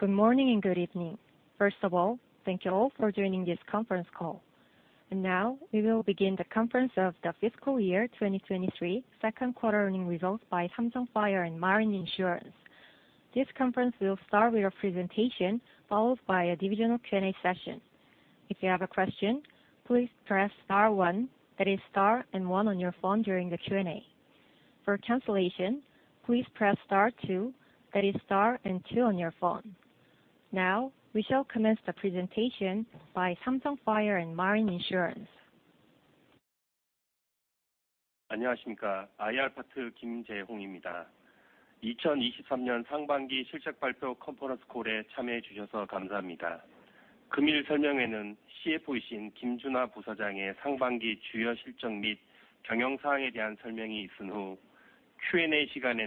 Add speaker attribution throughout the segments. Speaker 1: Good morning, and good evening. First of all, thank you all for joining this conference call. Now, we will begin the conference of the Fiscal Year 2023 Second Quarter Earnings Results by Samsung Fire & Marine Insurance. This conference will start with a presentation, followed by a divisional Q&A session. If you have a question, please press star one, that is star and one on your phone during the Q&A. For translation, please press star two, that is star and two on your phone. Now, we shall commence the presentation by Samsung Fire & Marine Insurance.
Speaker 2: Good morning, I am Kim Jaehong, Head of IR Team. Thank you for joining our first half 2023 earnings conference call. We will begin with the presentation on business and earnings highlights, presented by our CFO and EVP, Kim Junha. After which, we will have the Q&A session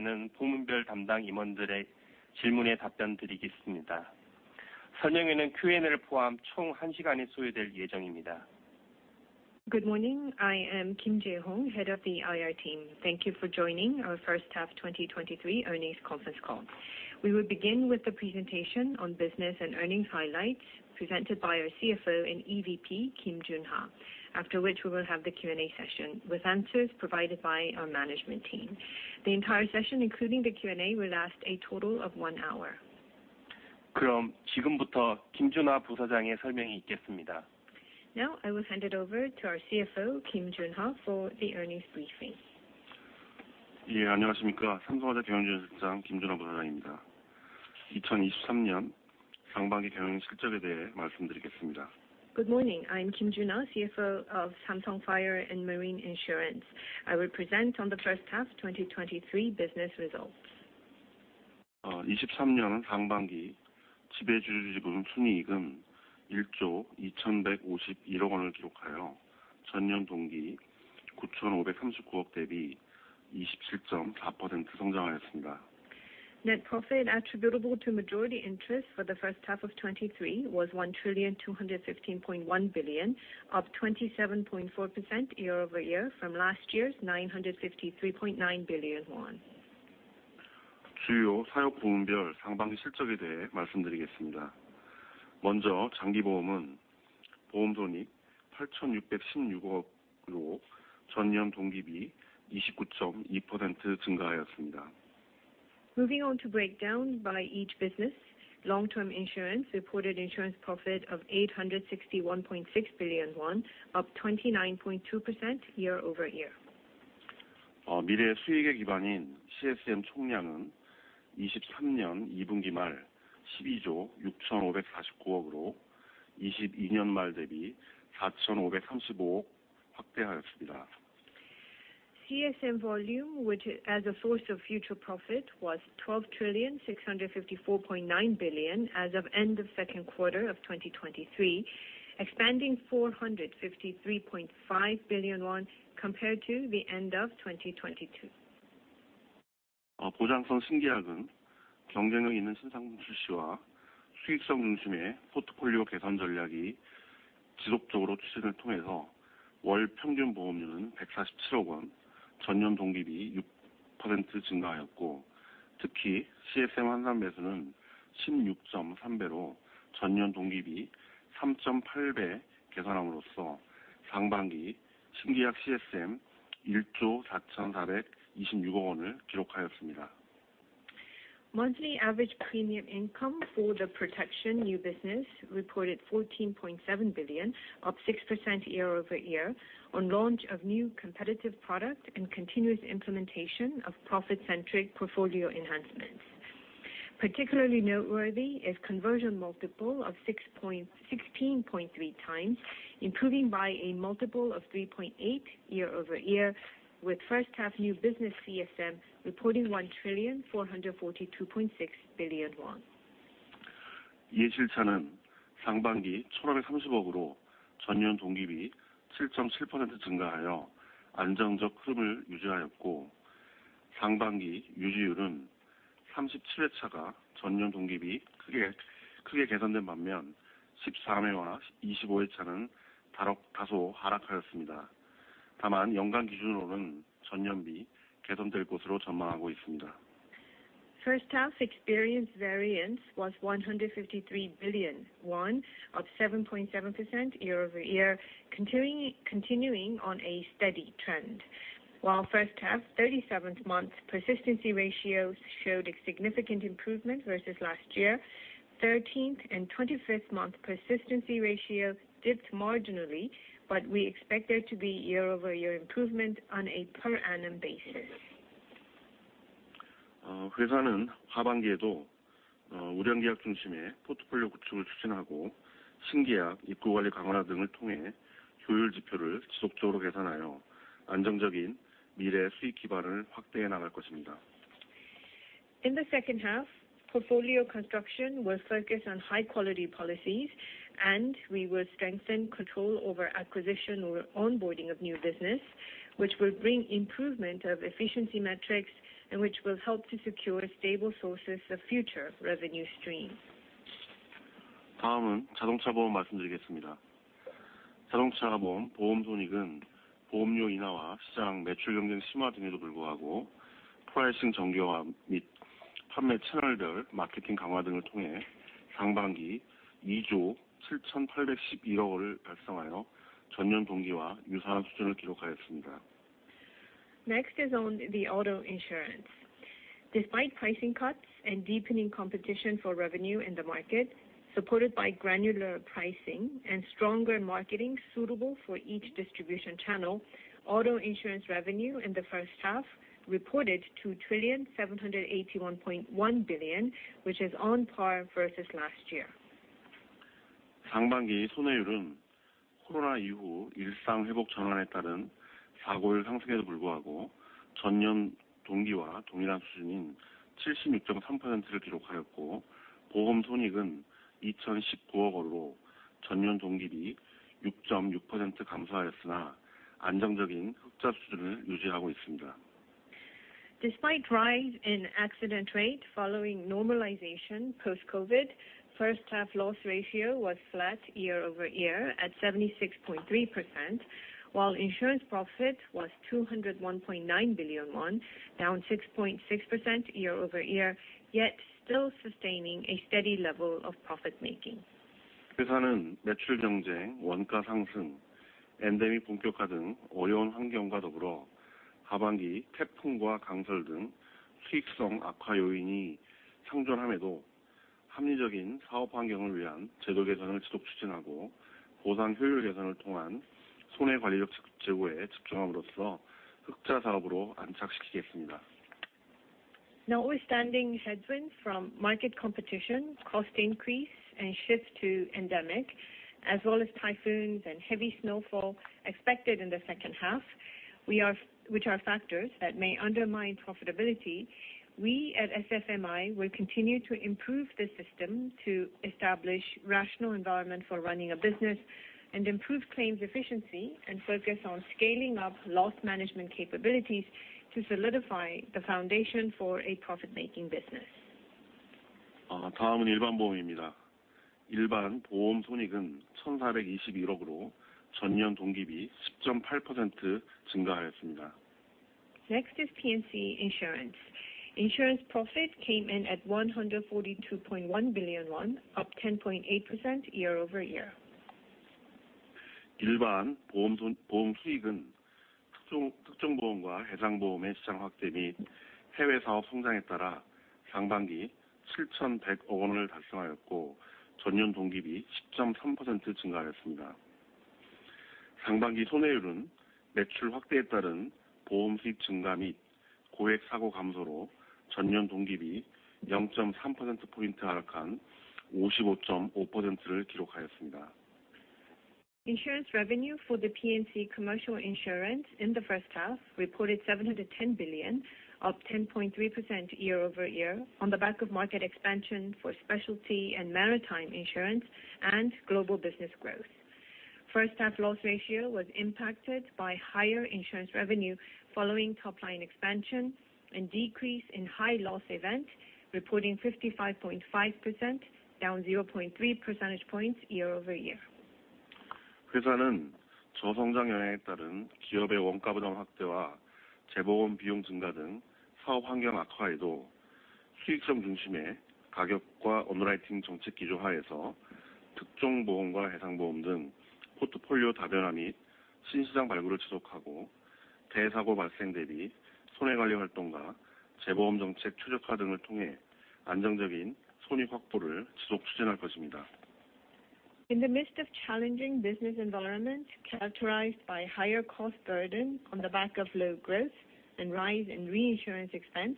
Speaker 2: with answers provided by our management team. The entire session, including the Q&A, will last a total of one hour. Now, I will hand it over to our CFO, Kim Junha, for the earnings briefing.
Speaker 3: Good morning! I'm Kim Junha, CFO of Samsung Fire & Marine Insurance. I will present on the first half 2023 business results. Net profit attributable to majority interest for the first half of 2023 was 1,215.1 billion, up 27.4% year-over-year from last year's 953.9 billion won. Moving on to breakdown by each business, long-term insurance reported insurance profit of 861.6 billion won, up 29.2% year-over-year. CSM volume, which as a source of future profit, was 12,654.9 billion as of end of second quarter of 2023, expanding 453.5 billion won, compared to the end of 2022. Monthly average premium income for the protection new business reported 14.7 billion, up 6% year-over-year, on launch of new competitive product and continuous implementation of profit-centric portfolio enhancements. Particularly noteworthy is conversion multiple of 16.3x, improving by a multiple of 3.8x year-over-year, with first half new business CSM reporting KRW 1,442.6 billion. First half experience variance was 153 billion won, up 7.7% year-over-year, continuing on a steady trend. While first half 37th-month persistency ratios showed a significant improvement versus last year, 13th and 25th-month persistency ratios dipped marginally, but we expect there to be year-over-year improvement on a per annum basis. In the second half, portfolio construction will focus on high-quality policies, and we will strengthen control over acquisition or onboarding of new business, which will bring improvement of efficiency metrics and which will help to secure stable sources of future revenue stream.... 다음은 자동차 보험 말씀드리겠습니다. 자동차 보험, 보험 손익은 보험료 인하와 시장 매출 경쟁 심화 등에도 불구하고, 프라이싱 정교화 및 판매 채널별 마케팅 강화 등을 통해 상반기 이조 칠천팔백십일억 원을 달성하여 전년 동기와 유사한 수준을 기록하였습니다.
Speaker 4: Next is on the auto insurance. Despite pricing cuts and deepening competition for revenue in the market, supported by granular pricing and stronger marketing suitable for each distribution channel, auto insurance revenue in the first half reported 2,781.1 billion, which is on par versus last year.
Speaker 3: 상반기 손해율은 코로나 이후 일상 회복 전환에 따른 사고율 상승에도 불구하고 전년 동기와 동일한 수준인 칠십육점삼 퍼센트를 기록하였고, 보험 손익은 이천십구억 원으로 전년 동기비 육점육 퍼센트 감소하였으나, 안정적인 흑자 수준을 유지하고 있습니다.
Speaker 4: Despite rise in accident rate following normalization post COVID, first half Loss ratio was flat year-over-year at 76.3%, while insurance profit was 201.9 billion won, down 6.6% year-over-year, yet still sustaining a steady level of profit making.
Speaker 3: 회사는 매출 경쟁, 원가 상승, 엔데믹 본격화 등 어려운 환경과 더불어 하반기 태풍과 강설 등 수익성 악화 요인이 상존함에도, 합리적인 사업 환경을 위한 제도 개선을 지속 추진하고, 보상 효율 개선을 통한 손해 관리력 제고에 집중함으로써 흑자 사업으로 안착시키겠습니다.
Speaker 4: Notwithstanding headwinds from market competition, cost increase and shift to endemic, as well as typhoons and heavy snowfall expected in the second half, which are factors that may undermine profitability. We at SFMI will continue to improve the system to establish rational environment for running a business, improve claims efficiency, and focus on scaling up loss management capabilities to solidify the foundation for a profit-making business.
Speaker 3: uh, 다음은 일반 보험입니다. 일반 보험 손익은 천사백이십일억으로 전년 동기비 십점팔 퍼센트 증가하였습니다.
Speaker 4: Next is P&C insurance. Insurance profit came in at 142.1 billion won, up 10.8% year-over-year.
Speaker 3: 일반 보험 손, 보험 수익은 특정, 특정 보험과 해상 보험의 시장 확대 및 해외 사업 성장에 따라 상반기 칠천백억 원을 달성하였고, 전년 동기비 십점삼 퍼센트 증가하였습니다. 상반기 손해율은 매출 확대에 따른 보험 수입 증가 및 고액 사고 감소로 전년 동기비 영점삼 퍼센트 포인트 하락한 오십오점오 퍼센트를 기록하였습니다.
Speaker 4: Insurance revenue for the P&C commercial insurance in the first half reported 710 billion, up 10.3% year-over-year on the back of market expansion for specialty and maritime insurance and global business growth. First half loss ratio was impacted by higher insurance revenue, following top line expansion and decrease in high loss event, reporting 55.5%, down 0.3 percentage points year-over-year.
Speaker 3: 회사는 저성장 영향에 따른 기업의 원가 부담 확대와 재보험 비용 증가 등 사업 환경 악화에도 수익성 중심의 가격과 underwriting 정책 기조 하에서, 특정 보험과 해상 보험 등 포트폴리오 다변화 및 신시장 발굴을 지속하고, 대사고 발생 대비 손해 관리 활동과 재보험 정책 최적화 등을 통해 안정적인 손익 확보를 지속 추진할 것입니다.
Speaker 4: In the midst of challenging business environment, characterized by higher cost burden on the back of low growth and rise in reinsurance expense,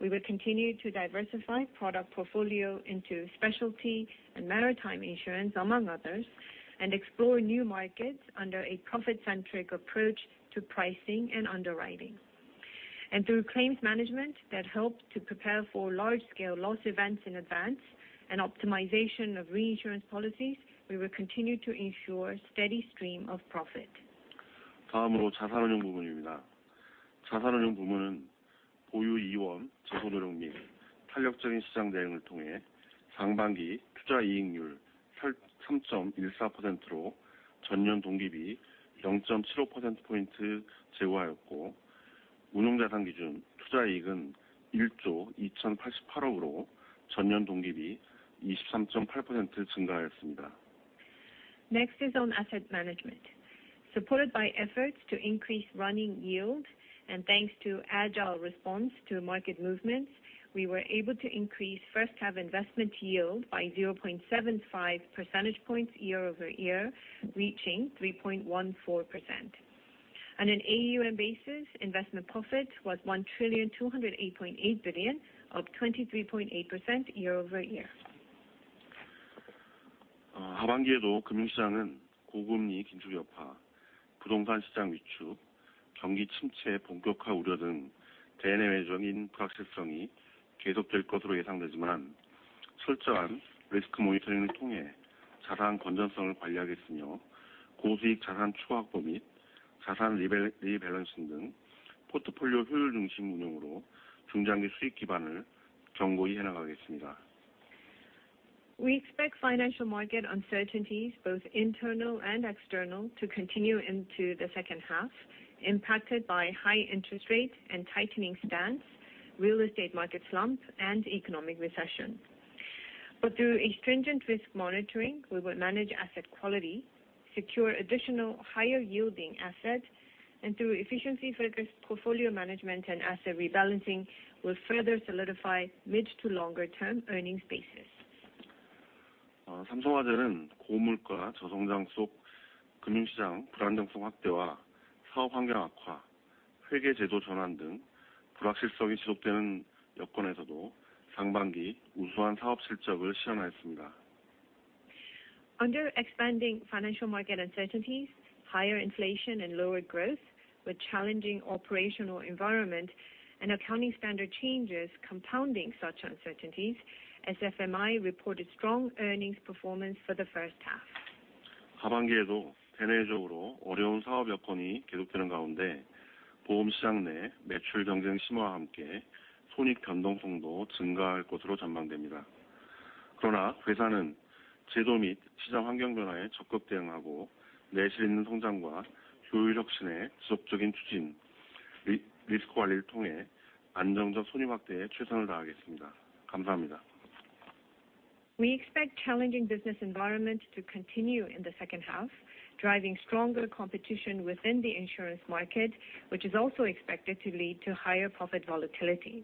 Speaker 4: we will continue to diversify product portfolio into specialty and maritime insurance, among others, and explore new markets under a profit-centric approach to pricing and underwriting. Through claims management, that helps to prepare for large scale loss events in advance and optimization of reinsurance policies, we will continue to ensure steady stream of profit.
Speaker 3: 다음으로 자산운용 부문입니다. 자산운용 부문은 보유 이원 재소 노력 및 탄력적인 시장 대응을 통해 상반기 투자 이익률 팔, 삼점일사 퍼센트로 전년 동기비 영점칠오 퍼센트 포인트 제고하였고, 운용자산 기준 투자 이익은 일조 이천팔십팔억으로 전년 동기비 이십삼점팔 퍼센트 증가하였습니다.
Speaker 4: Next is on asset management. Supported by efforts to increase running yield and thanks to agile response to market movements, we were able to increase first half investment yield by 0.75 percentage points year-over-year, reaching 3.14%. In AUM basis, investment profit was 1,208.8 billion, up 23.8% year-over-year.
Speaker 3: 하반기에도 금융시장은 고금리 긴축 여파, 부동산 시장 위축, 경기 침체 본격화 우려 등 대내외적인 불확실성이 계속될 것으로 예상되지만, 철저한 리스크 모니터링을 통해 자산 건전성을 관리하겠으며, 고수익 자산 추가 확보 및 자산 리밸런싱 등 포트폴리오 효율 중심 운영으로 중장기 수익 기반을 견고히 해 나가겠습니다.
Speaker 4: We expect financial market uncertainties, both internal and external, to continue into the second half, impacted by high interest rates and tightening stance, real estate market slump, and economic recession. Through a stringent risk monitoring, we will manage asset quality, secure additional higher-yielding assets, and through efficiency-focused portfolio management and asset rebalancing, will further solidify mid to longer-term earnings basis.,
Speaker 3: 삼성화재는 고물가, 저성장 속 금융시장 불안정성 확대와 사업 환경 악화, 회계 제도 전환 등 불확실성이 지속되는 여건에서도 상반기 우수한 사업 실적을 실현하였습니다.
Speaker 4: Under expanding financial market uncertainties, higher inflation and lower growth, with challenging operational environment and accounting standard changes compounding such uncertainties, SFMI reported strong earnings performance for the first half.
Speaker 3: 하반기에도 대내외적으로 어려운 사업 여건이 계속되는 가운데, 보험 시장 내 매출 경쟁 심화와 함께 손익 변동성도 증가할 것으로 전망됩니다. 회사는 제도 및 시장 환경 변화에 적극 대응하고, 내실 있는 성장과 효율 혁신의 지속적인 추진, 리스크 관리를 통해 안정적 손익 확대에 최선을 다하겠습니다. 감사합니다.
Speaker 4: We expect challenging business environment to continue in the second half, driving stronger competition within the insurance market, which is also expected to lead to higher profit volatility.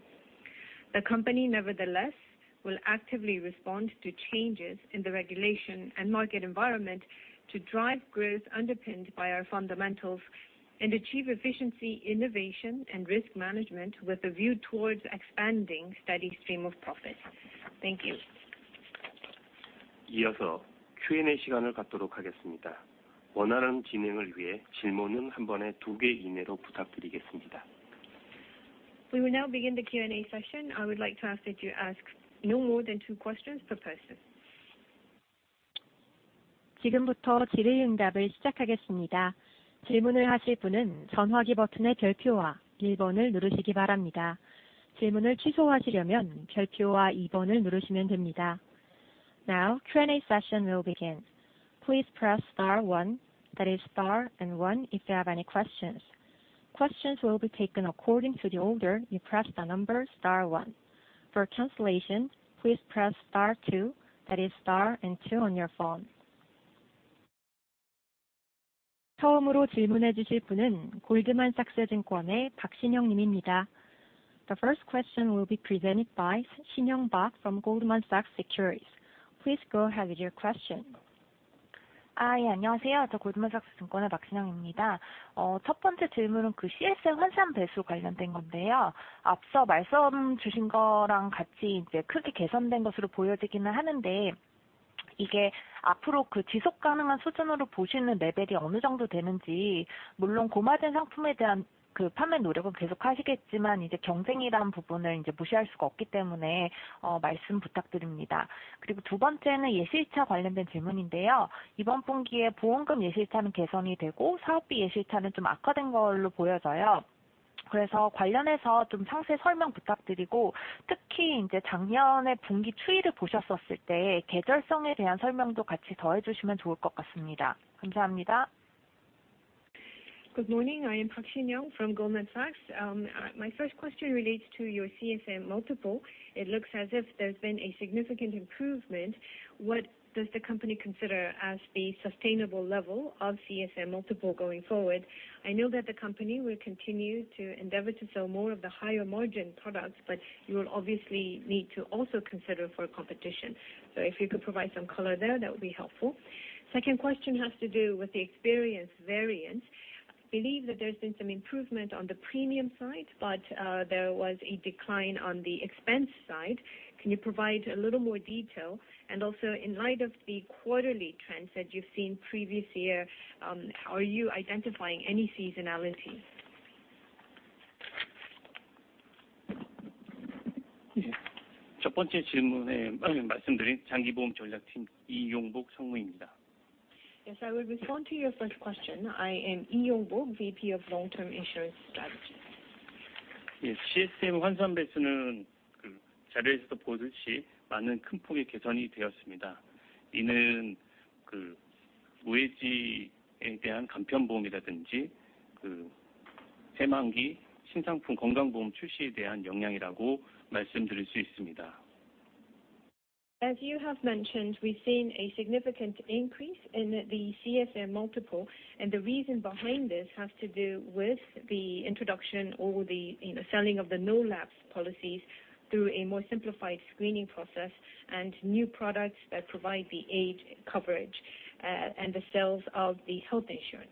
Speaker 4: The company, nevertheless, will actively respond to changes in the regulation and market environment to drive growth underpinned by our fundamentals and achieve efficiency, innovation, and risk management with a view towards expanding steady stream of profit. Thank you.
Speaker 2: 이어서 Q&A 시간을 갖도록 하겠습니다. 원활한 진행을 위해 질문은 한 번에 2개 이내로 부탁드리겠습니다.
Speaker 4: We will now begin the Q&A session. I would like to ask that you ask no more than two questions per person.
Speaker 1: 지금부터 질의응답을 시작하겠습니다. 질문을 하실 분은 전화기 버튼의 별표와 1번을 누르시기 바랍니다. 질문을 취소하시려면 별표와 2번을 누르시면 됩니다. Now, Q&A session will begin. Please press star 1, that is star and 1, if you have any questions. Questions will be taken according to the order you press the number star 1. For translation, please press star 2, that is star and 2 on your phone. 처음으로 질문해 주실 분은 골드만삭스 증권의 박신영 님입니다. The first question will be presented by Sinyoung Park from Goldman Sachs Securities. Please go ahead with your question.
Speaker 5: Hi, 안녕하세요. Goldman Sachs Securities Korea의 Sinyoung Park입니다. 첫 번째 질문은 그 CSM 환산 배수 관련된 건데요. 앞서 말씀 주신 거랑 같이 이제 크게 개선된 것으로 보여지기는 하는데, 이게 앞으로 그 지속 가능한 수준으로 보시는 레벨이 어느 정도 되는지? 물론 고마진 상품에 대한 그 판매 노력은 계속 하시겠지만, 이제 경쟁이라는 부분을 이제 무시할 수가 없기 때문에, 말씀 부탁드립니다. 두 번째는 예실차 관련된 질문인데요. 이번 분기에 보험금 예실차는 개선이 되고, 사업비 예실차는 좀 악화된 걸로 보여져요. 관련해서 좀 상세 설명 부탁드리고, 특히 이제 작년에 분기 추이를 보셨었을 때 계절성에 대한 설명도 같이 더해주시면 좋을 것 같습니다. 감사합니다.
Speaker 4: Good morning, I am Sinyoung Park from Goldman Sachs. My first question relates to your CSM multiple. It looks as if there's been a significant improvement. What does the company consider as the sustainable level of CSM multiple going forward? I know that the company will continue to endeavor to sell more of the higher margin products, but you will obviously need to also consider for competition. If you could provide some color there, that would be helpful. Second question has to do with the Experience variance. I believe that there's been some improvement on the premium side, but there was a decline on the expense side. Can you provide a little more detail? Also, in light of the quarterly trends that you've seen previous year, are you identifying any seasonality?
Speaker 6: 첫 번째 질문에, 말씀드린 Long-Term Insurance Strategy Team Yong-bok Lee, VP입니다.
Speaker 4: Yes, I will respond to your first question. I am Yong-bok Lee, VP of Long-Term Insurance Strategy.
Speaker 6: 예, CSM 환산 배수는 그 자료에서도 보듯이 많은 큰 폭의 개선이 되었습니다. 이는 그 우회지에 대한 간편 보험이라든지, 그 새만기 신상품 건강보험 출시에 대한 영향이라고 말씀드릴 수 있습니다.
Speaker 4: As you have mentioned, we've seen a significant increase in the CSM multiple, and the reason behind this has to do with the introduction or the, you know, selling of the no-lapse policies through a more simplified screening process and new products that provide the age coverage, and the sales of the health insurance.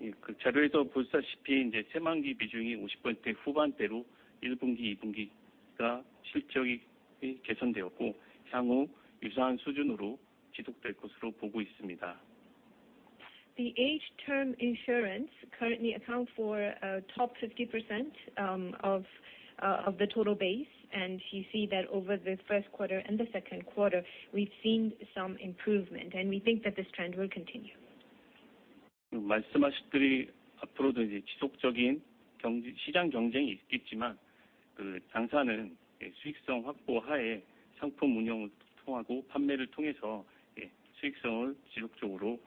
Speaker 6: Yes, 그 자료에서 보시다시피 이제 age-term 비중이 50% 후반대로, 1분기, 2분기가 실적이, 이 개선되었고, 향후 유사한 수준으로 지속될 것으로 보고 있습니다.
Speaker 4: The age-term insurance currently account for top 50% of the total base. You see that over the first quarter and the second quarter, we've seen some improvement, and we think that this trend will continue....
Speaker 6: 말씀하셨듯이 앞으로도 이제 지속적인 경쟁, 시장 경쟁이 있겠지만, 그 당사는 수익성 확보 하에 상품 운영을 통하고 판매를 통해서 예, 수익성을 지속적으로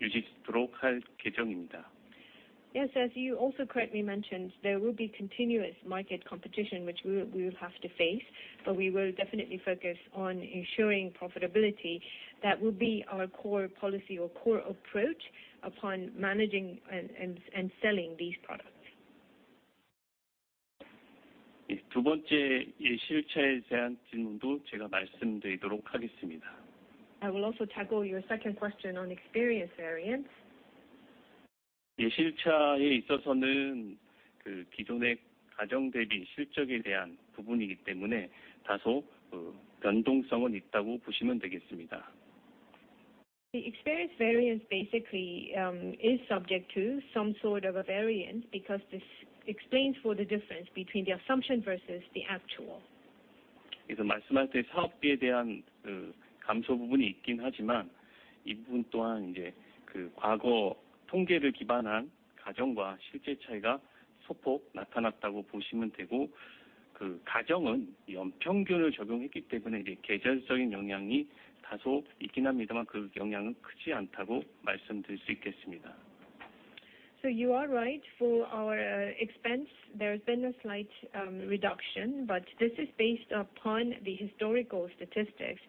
Speaker 6: 유지할 계획입니다.
Speaker 4: Yes, as you also correctly mentioned, there will be continuous market competition, which we, we will have to face, but we will definitely focus on ensuring profitability. That will be our core policy or core approach upon managing and, and, and selling these products.
Speaker 6: 예, 두 번째 예실차에 대한 질문도 제가 말씀드리도록 하겠습니다.
Speaker 4: I will also tackle your second question on experience variance.
Speaker 6: 예실차에 있어서는 그 기존의 가정 대비 실적에 대한 부분이기 때문에 다소 변동성은 있다고 보시면 되겠습니다.
Speaker 4: The experience variance basically is subject to some sort of a variance, because this explains for the difference between the assumption versus the actual.
Speaker 6: 말씀하실 때 사업비에 대한 그 감소 부분이 있긴 하지만, 이 부분 또한 이제 그 과거 통계를 기반한 가정과 실제 차이가 소폭 나타났다고 보시면 되고, 그 가정은 연평균을 적용했기 때문에 이제 계절적인 영향이 다소 있긴 합니다만, 그 영향은 크지 않다고 말씀드릴 수 있겠습니다.
Speaker 4: You are right. For our expense, there has been a slight reduction, but this is based upon the historical statistics,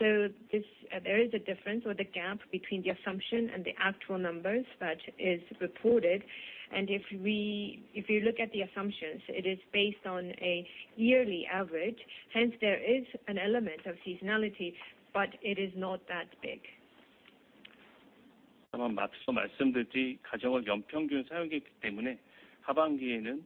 Speaker 4: there is a difference or the gap between the assumption and the actual numbers that is reported. If we, if you look at the assumptions, it is based on a yearly average, hence there is an element of seasonality, but it is not that big.
Speaker 6: 앞서 말씀드린 가정은 연평균 사용했기 때문에 하반기에는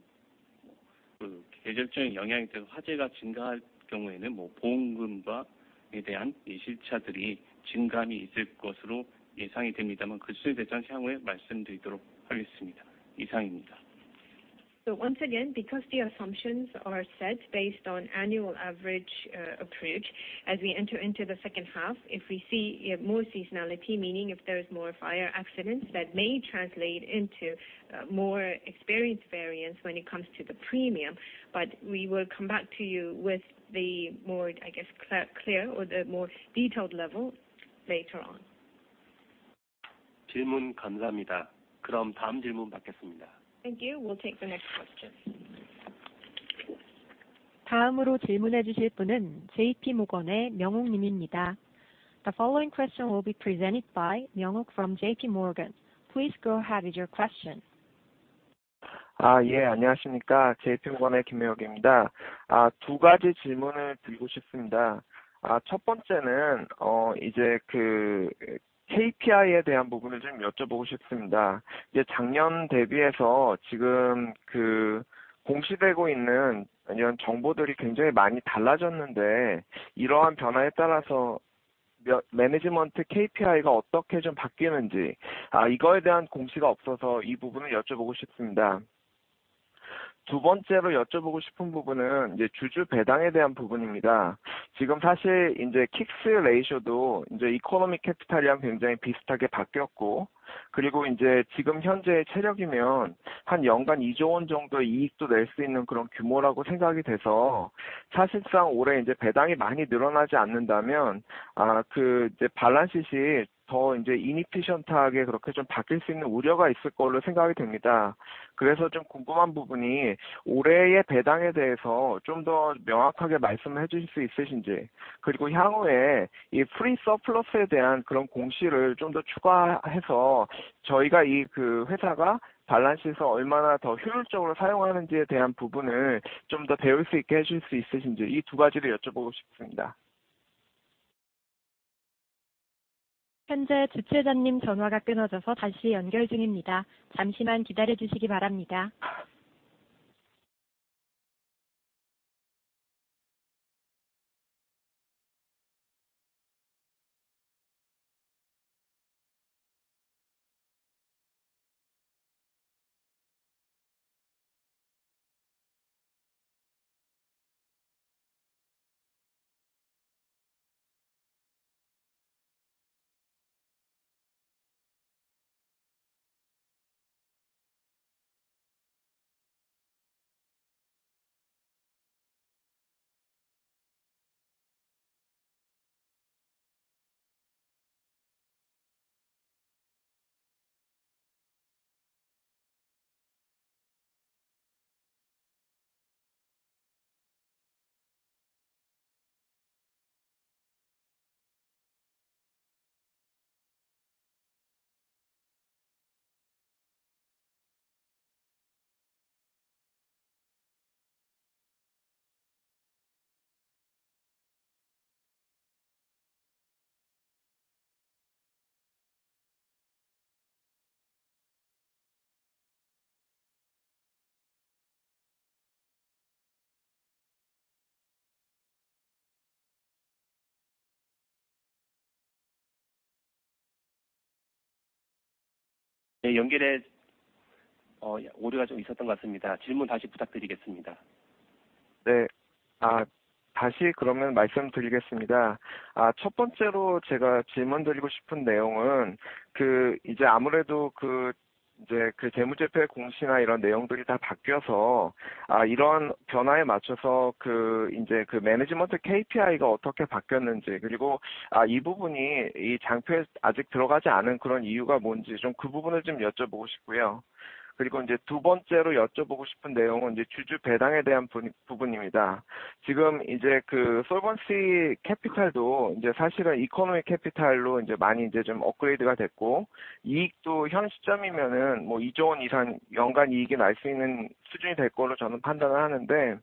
Speaker 6: 그 계절적인 영향이 돼서 화재가 증가할 경우에는 보험금과에 대한 예실차들이 증감이 있을 것으로 예상이 됩니다만, 그에 대해서는 향후에 말씀드리도록 하겠습니다. 이상입니다.
Speaker 4: Once again, because the assumptions are set based on annual average approach, as we enter into the second half, if we see more seasonality, meaning if there is more fire accidents, that may translate into more experience variance when it comes to the premium. We will come back to you with the more, I guess, clear, clear or the more detailed level later on.
Speaker 6: 질문 감사합니다. 다음 질문 받겠습니다.
Speaker 4: Thank you. We'll take the next question.
Speaker 1: 다음으로 질문해 주실 분은 JP 모건의 명욱 님입니다. The following question will be presented by Myung-wook Kim from JPMorgan. Please go ahead with your question.
Speaker 7: 아, 예, 안녕하십니까? JP 모건의 김명욱입니다. 아, 두 가지 질문을 드리고 싶습니다. 아, 첫 번째는 어, 이제 그 KPI에 대한 부분을 좀 여쭤보고 싶습니다. 이제 작년 대비해서 지금 그 공시되고 있는 이런 정보들이 굉장히 많이 달라졌는데, 이러한 변화에 따라서 매니지먼트 KPI가 어떻게 좀 바뀌는지, 아, 이거에 대한 공시가 없어서 이 부분을 여쭤보고 싶습니다. 두 번째로 여쭤보고 싶은 부분은 이제 주주 배당에 대한 부분입니다. 지금 사실 이제 킥스 레이쇼도 이제 이코노미 캐피탈이랑 굉장히 비슷하게 바뀌었고, 그리고 이제 지금 현재의 체력이면 한 연간 이조원 정도의 이익도 낼수 있는 그런 규모라고 생각이 돼서, 사실상 올해 이제 배당이 많이 늘어나지 않는다면, 아, 그 이제 밸런스시트 더 이제 이니피션트하게 그렇게 좀 바뀔 수 있는 우려가 있을 걸로 생각이 됩니다. 좀 궁금한 부분이 올해의 배당에 대해서 좀더 명확하게 말씀해 주실 수 있으신지? 향후에 프리 서플러스에 대한 그런 공시를 좀더 추가해서 저희가 그 회사가 밸런스에서 얼마나 더 효율적으로 사용하는지에 대한 부분을 좀더 배울 수 있게 해줄 수 있으신지? 이두 가지를 여쭤보고 싶습니다.
Speaker 1: 현재 주최자님 전화가 끊어져서 다시 연결 중입니다. 잠시만 기다려 주시기 바랍니다. 네, 연결해...
Speaker 2: ...오류가 좀 있었던 것 같습니다. 질문 다시 부탁드리겠습니다.
Speaker 7: 네, 다시 그러면 말씀드리겠습니다. 첫 번째로 제가 질문드리고 싶은 내용은 이제 아무래도 이제 재무제표의 공시나 이런 내용들이 다 바뀌어서, 이러한 변화에 맞춰서 이제 매니지먼트 KPI가 어떻게 바뀌었는지, 그리고 이 부분이 이 장표에 아직 들어가지 않은 그런 이유가 뭔지 좀그 부분을 좀 여쭤보고 싶고요. 이제 두 번째로 여쭤보고 싶은 내용은 이제 주주 배당에 대한 부분입니다. 지금 이제 그 솔번시 캐피탈도 이제 사실은 이코노미 캐피탈로 이제 많이 이제 좀 업그레이드가 됐고, 이익도 현 시점이면은 뭐 이조 원 이상 연간 이익이 날수 있는 수준이 될 걸로 저는 판단을 하는데,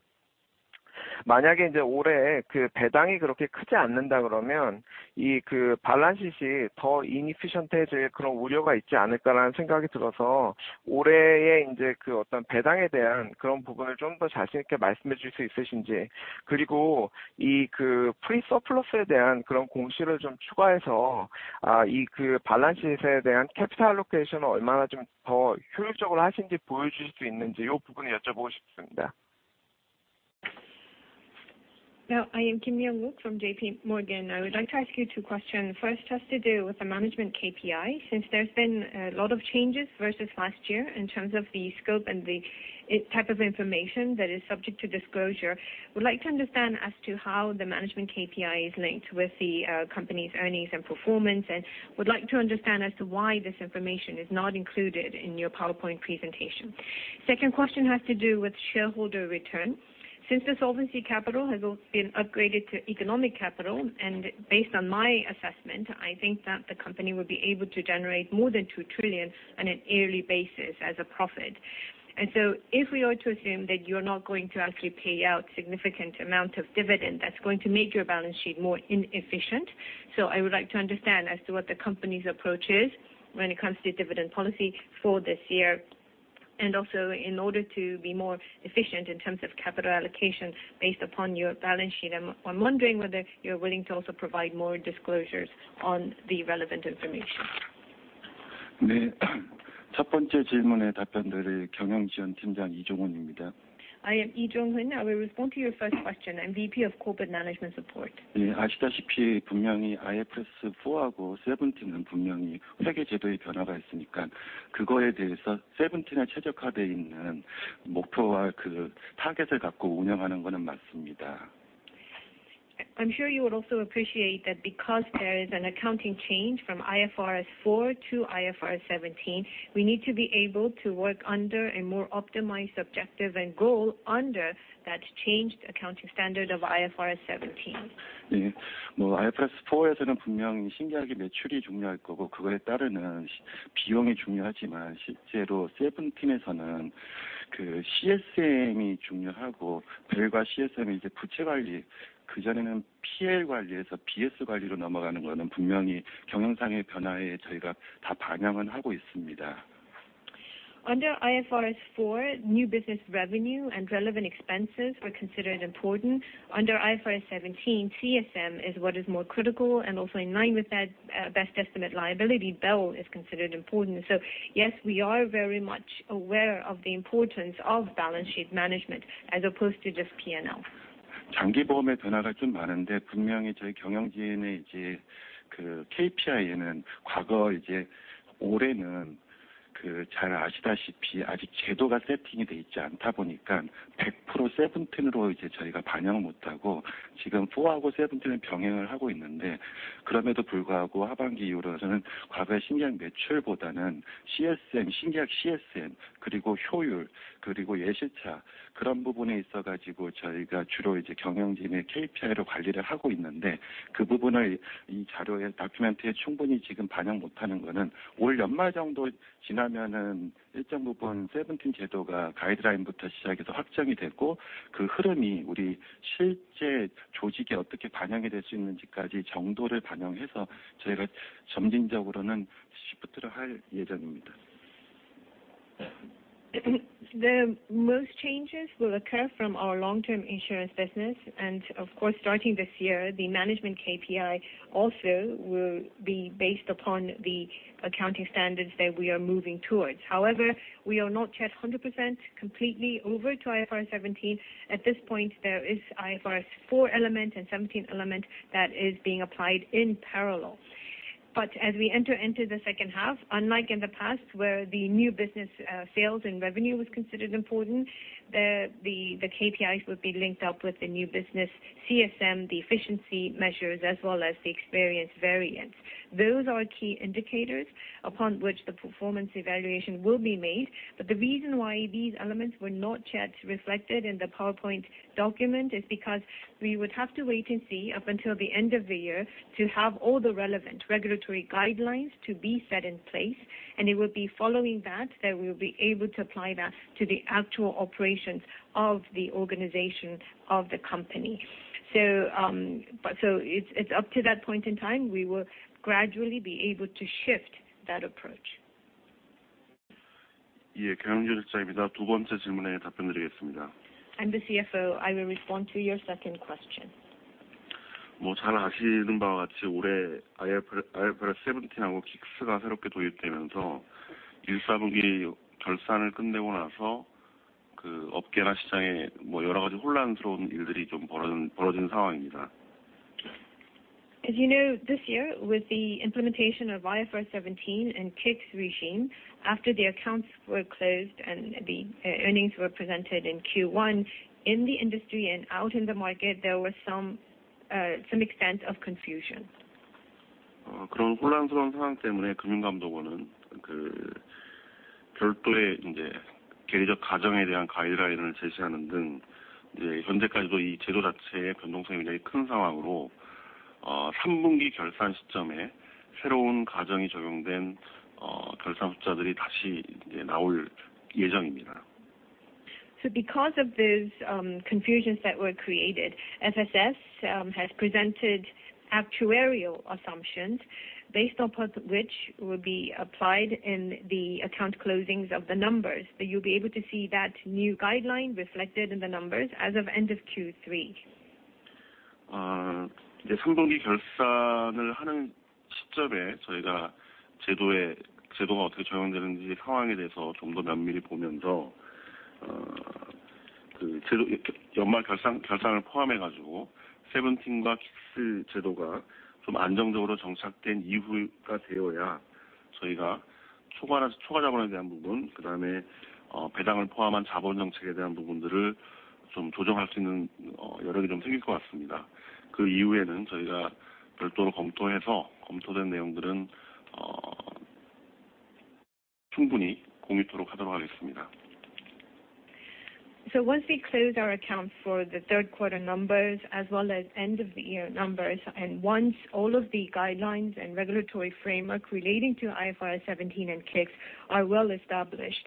Speaker 7: 만약에 이제 올해 그 배당이 그렇게 크지 않는다 그러면 이그 발란싱이 더 인이피션트 해질 그런 우려가 있지 않을까라는 생각이 들어서, 올해에 이제 그 어떤 배당에 대한 그런 부분을 좀더 자신있게 말씀해 주실 수 있으신지, 그리고 이그 프리 서플러스에 대한 그런 공시를 좀 추가해서 아, 이그 발란시에 대한 캐피탈 알로케이션을 얼마나 좀더 효율적으로 하시는지 보여주실 수 있는지, 이 부분을 여쭤보고 싶습니다.
Speaker 4: Now, I am Myung-wook Kim from JPMorgan. I would like to ask you 2 questions. First has to do with the management KPI. Since there's been a lot of changes versus last year in terms of the scope and the type of information that is subject to disclosure, would like to understand as to how the management KPI is linked with the company's earnings and performance, and would like to understand as to why this information is not included in your PowerPoint presentation. Second question has to do with shareholder return. Since the solvency capital has also been upgraded to economic capital, and based on my assessment, I think that the company will be able to generate more than 2 trillion on a yearly basis as a profit. If we are to assume that you are not going to actually pay out significant amount of dividend, that's going to make your balance sheet more inefficient. I would like to understand as to what the company's approach is when it comes to dividend policy for this year, and also in order to be more efficient in terms of capital allocation, based upon your balance sheet. I'm wondering whether you're willing to also provide more disclosures on the relevant information.
Speaker 8: 네, 첫 번째 질문에 답변드릴 경영지원팀장 이종훈입니다.
Speaker 4: I am Jong-hun Lee. I will respond to your first question. I'm VP of Corporate Management Support.
Speaker 8: 예, 아시다시피 분명히 IFRS 4 하고 IFRS 17은 분명히 회계제도의 변화가 있으니까, 그거에 대해서 IFRS 17에 최적화되어 있는 목표와 그 타겟을 갖고 운영하는 것은 맞습니다.
Speaker 4: I'm sure you would also appreciate that because there is an accounting change from IFRS 4-IFRS 17, we need to be able to work under a more optimized objective and goal under that changed accounting standard of IFRS 17.
Speaker 8: 예, 뭐 IFRS 4에서는 분명 신계약의 매출이 중요할 거고, 그거에 따르는 비용이 중요하지만, 실제로 IFRS 17에서는 그 CSM이 중요하고, BEL과 CSM이 이제 부채 관리, 그전에는 PL 관리에서 BS 관리로 넘어가는 것은 분명히 경영상의 변화에 저희가 다 반영은 하고 있습니다.
Speaker 4: Under IFRS 4, new business revenue and relevant expenses were considered important. Under IFRS 17, CSM is what is more critical and also in line with that, best estimate liability. BEL is considered important. Yes, we are very much aware of the importance of balance sheet management as opposed to just P&L.
Speaker 8: 장기 보험의 변화가 좀 많은데 분명히 저희 경영진의 이제 그 KPI에는 과거 이제 올해는 그잘 아시다시피 아직 제도가 세팅이 돼 있지 않다 보니까 100% seventeen으로 이제 저희가 반영을 못하고, 지금 four하고 seventeen을 병행을 하고 있는데, 그럼에도 불구하고 하반기 이후로 저는 과거의 신계약 매출보다는 CSM, 신계약 CSM, 그리고 효율, 그리고 예실차, 그런 부분에 있어가지고 저희가 주로 이제 경영진의 KPI로 관리를 하고 있는데, 그 부분을 이 자료에, 다큐멘터리에 충분히 지금 반영 못하는 것은 올 연말 정도 지나면은 일정 부분 seventeen 제도가 가이드라인부터 시작해서 확정이 되고, 그 흐름이 우리 실제 조직에 어떻게 반영이 될수 있는지까지 정도를 반영해서 저희가 점진적으로는 시프트를 할 예정입니다.
Speaker 4: The most changes will occur from our long-term insurance business. Of course, starting this year, the management KPI also will be based upon the accounting standards that we are moving towards. We are not yet 100% completely over to IFRS 17. At this point, there is IFRS 4 element and 17 element that is being applied in parallel. As we enter into the second half, unlike in the past, where the new business sales and revenue was considered important, the KPIs will be linked up with the new business CSM, the efficiency measures, as well as the experience variance. Those are key indicators upon which the performance evaluation will be made. The reason why these elements were not yet reflected in the PowerPoint document is because we would have to wait and see up until the end of the year to have all the relevant regulatory guidelines to be set in place, and it would be following that, that we will be able to apply that to the actual operations of the organization of the company. It's, it's up to that point in time, we will gradually be able to shift that approach.
Speaker 3: 예, 경영지원팀장입니다. 두 번째 질문에 답변드리겠습니다.
Speaker 4: I'm the CFO. I will respond to your second question....
Speaker 3: 뭐잘 아시는 바와 같이 올해 IFRS, IFRS17하고 KICS가 새롭게 도입되면서 일사분기 결산을 끝내고 나서 그 업계나 시장에 뭐 여러 가지 혼란스러운 일들이 좀 벌어지는, 벌어진 상황입니다.
Speaker 4: As you know, this year, with the implementation of IFRS 17 and K-ICS regime, after the accounts were closed and the earnings were presented in Q1, in the industry and out in the market, there was some extent of confusion.
Speaker 3: 그런 혼란스러운 상황 때문에 Financial Supervisory Service는 그 별도의 이제 개별적 가정에 대한 가이드라인을 제시하는 등, 현재까지도 이 제도 자체의 변동성이 굉장히 큰 상황으로, Q3 결산 시점에 새로운 가정이 적용된, 결산 숫자들이 다시 이제 나올 예정입니다.
Speaker 4: Because of this, confusions that were created, FSS has presented actuarial assumptions based upon which will be applied in the account closings of the numbers, that you'll be able to see that new guideline reflected in the numbers as of end of Q3.
Speaker 3: 이제 3Q 결산을 하는 시점에 저희가 제도에, 제도가 어떻게 적용되는지 상황에 대해서 좀더 면밀히 보면서, 그 제도, 이렇게 연말 결산, 결산을 포함해 가지고 IFRS 17과 K-ICS 제도가 좀 안정적으로 정착된 이후가 되어야 저희가 초과, 초과 자본에 대한 부분, 그다음에, 배당을 포함한 자본 정책에 대한 부분들을 좀 조정할 수 있는, 여력이 좀 생길 것 같습니다. 그 이후에는 저희가 별도로 검토해서 검토된 내용들은, 충분히 공유토록 하도록 하겠습니다.
Speaker 4: Once we close our accounts for the 3rd quarter numbers, as well as end of the year numbers. Once all of the guidelines and regulatory framework relating to IFRS 17 and K-ICS are well established,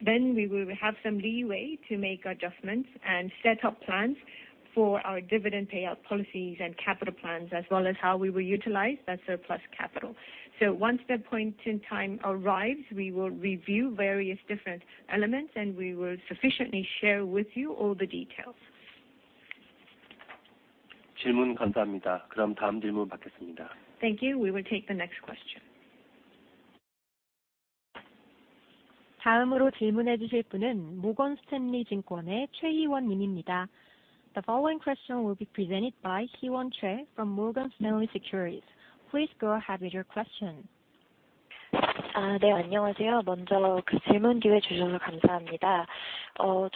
Speaker 4: then we will have some leeway to make adjustments and set up plans for our dividend payout policies and capital plans, as well as how we will utilize that surplus capital. Once that point in time arrives, we will review various different elements, and we will sufficiently share with you all the details.
Speaker 3: 질문 감사합니다. 그럼 다음 질문 받겠습니다.
Speaker 4: Thank you. We will take the next question.
Speaker 1: 다음으로 질문해 주실 분은 모건스탠리 증권의 최희원 님입니다. The following question will be presented by Hee-won Choi from Morgan Stanley Securities. Please go ahead with your question.
Speaker 9: 먼저 그 질문 기회 주셔서 감사합니다.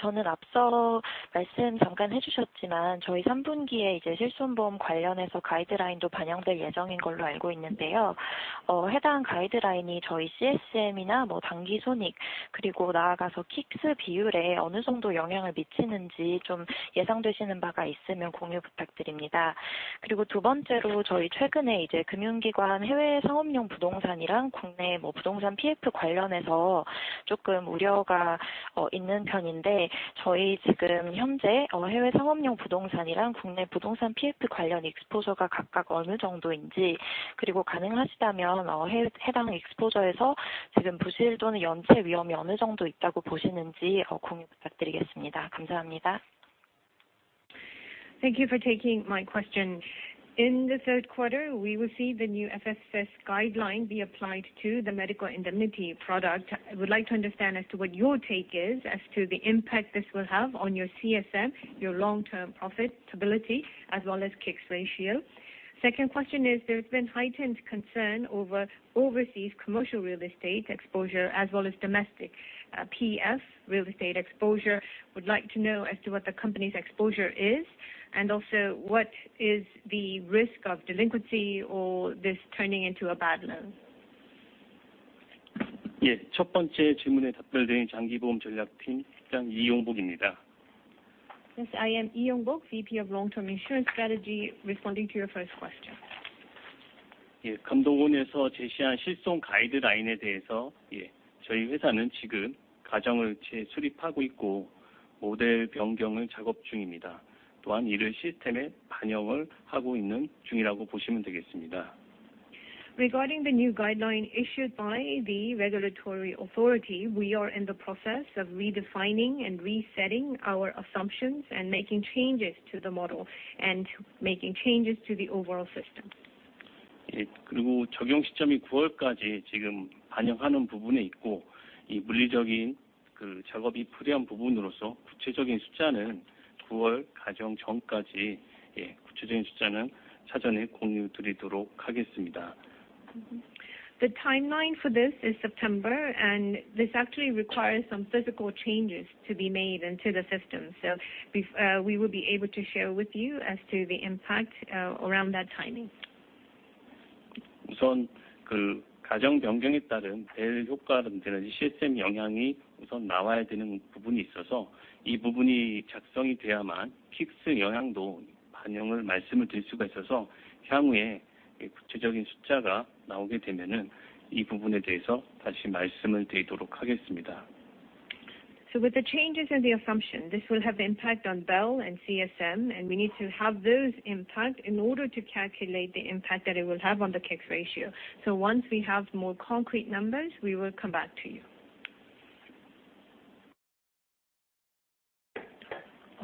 Speaker 9: 저는 앞서 말씀 잠깐 해주셨지만, 저희 third quarter에 이제 실손보험 관련해서 가이드라인도 반영될 예정인 걸로 알고 있는데요. 해당 가이드라인이 저희 CSM이나 뭐 단기 손익, 그리고 나아가서 K-ICS 비율에 어느 정도 영향을 미치는지 좀 예상되시는 바가 있으면 공유 부탁드립니다. 두 번째로, 저희 최근에 이제 금융기관 해외 상업용 부동산이랑 국내 뭐 부동산 PF 관련해서 조금 우려가 있는 편인데, 저희 지금 현재 해외 상업용 부동산이랑 국내 부동산 PF 관련 exposure가 각각 어느 정도인지, 그리고 가능하시다면, 해당 exposure에서 지금 부실 또는 연체 위험이 어느 정도 있다고 보시는지 공유 부탁드리겠습니다. 감사합니다.
Speaker 4: Thank you for taking my question. In the third quarter, we will see the new FSS guideline be applied to the medical indemnity product. I would like to understand as to what your take is as to the impact this will have on your CSM, your long-term profit stability, as well as K-ICS ratio. Second question is, there has been heightened concern over overseas commercial real estate exposure as well as domestic PF real estate exposure. Would like to know as to what the company's exposure is, and also what is the risk of delinquency or this turning into a bad loan?
Speaker 6: 예, 첫 번째 질문에 답변드릴 장기보험 전략팀 팀장 이용복입니다.
Speaker 4: Yes, I am Yong-bok Lee, VP of Long-Term Insurance Strategy, responding to your first question.
Speaker 6: 예, FSS에서 제시한 Medical indemnity insurance 가이드라인에 대해서, 예, 저희 회사는 지금 가정을 재수립하고 있고, 모델 변경을 작업 중입니다. 또한 이를 시스템에 반영을 하고 있는 중이라고 보시면 되겠습니다.
Speaker 4: Regarding the new guideline issued by the regulatory authority, we are in the process of redefining and resetting our assumptions and making changes to the model and making changes to the overall system.
Speaker 6: 예, 그리고 적용 시점이 구월까지 지금 반영하는 부분에 있고, 이 물리적인 그 작업이 필요한 부분으로서 구체적인 숫자는 구월 가정 전까지, 예, 구체적인 숫자는 사전에 공유드리도록 하겠습니다.
Speaker 4: The timeline for this is September, and this actually requires some physical changes to be made into the system. We will be able to share with you as to the impact around that timing.
Speaker 6: 우선 그 가정 변경에 따른 BEL 효과는 되는지 CSM 영향이 우선 나와야 되는 부분이 있어서, 이 부분이 작성이 돼야만 K-ICS 영향도 반영을 말씀을 드릴 수가 있어서, 향후에 이 구체적인 숫자가 나오게 되면은 이 부분에 대해서 다시 말씀을 드리도록 하겠습니다.
Speaker 4: With the changes in the assumption, this will have impact on BEL and CSM, and we need to have those impacts in order to calculate the impact that it will have on the K-ICS ratio. Once we have more concrete numbers, we will come back to you....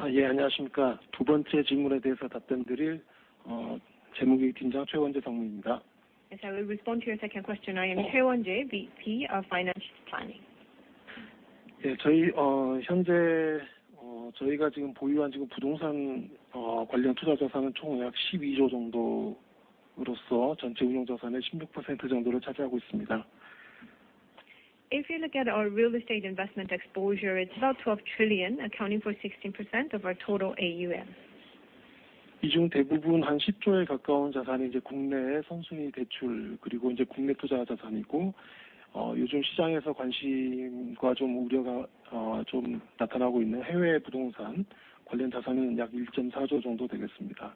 Speaker 10: Uh, yeah. 안녕하세요, 두 번째 질문에 대해서 답변드릴, uh, 재무팀 팀장 최원재 상무입니다.
Speaker 4: I will respond to your second question. I am Choi Wonjae, VP of Financial Planning.
Speaker 10: 예, 저희 uh, 현재, uh, 저희가 지금 보유한 지금 부동산, uh, 관련 투자 자산은 총약 십이조 정도으로써 전체 운용 자산의 십육 퍼센트 정도를 차지하고 있습니다.
Speaker 4: If you look at our real estate investment exposure, it's about 12 trillion, accounting for 16% of our total AUM.
Speaker 10: 이중 대부분 한 10 trillion에 가까운 자산이 이제 국내에 선순위 대출, 그리고 이제 국내 투자 자산이고, 요즘 시장에서 관심과 좀 우려가, 좀 나타나고 있는 해외 부동산 관련 자산은 약 1.4 trillion 정도 되겠습니다.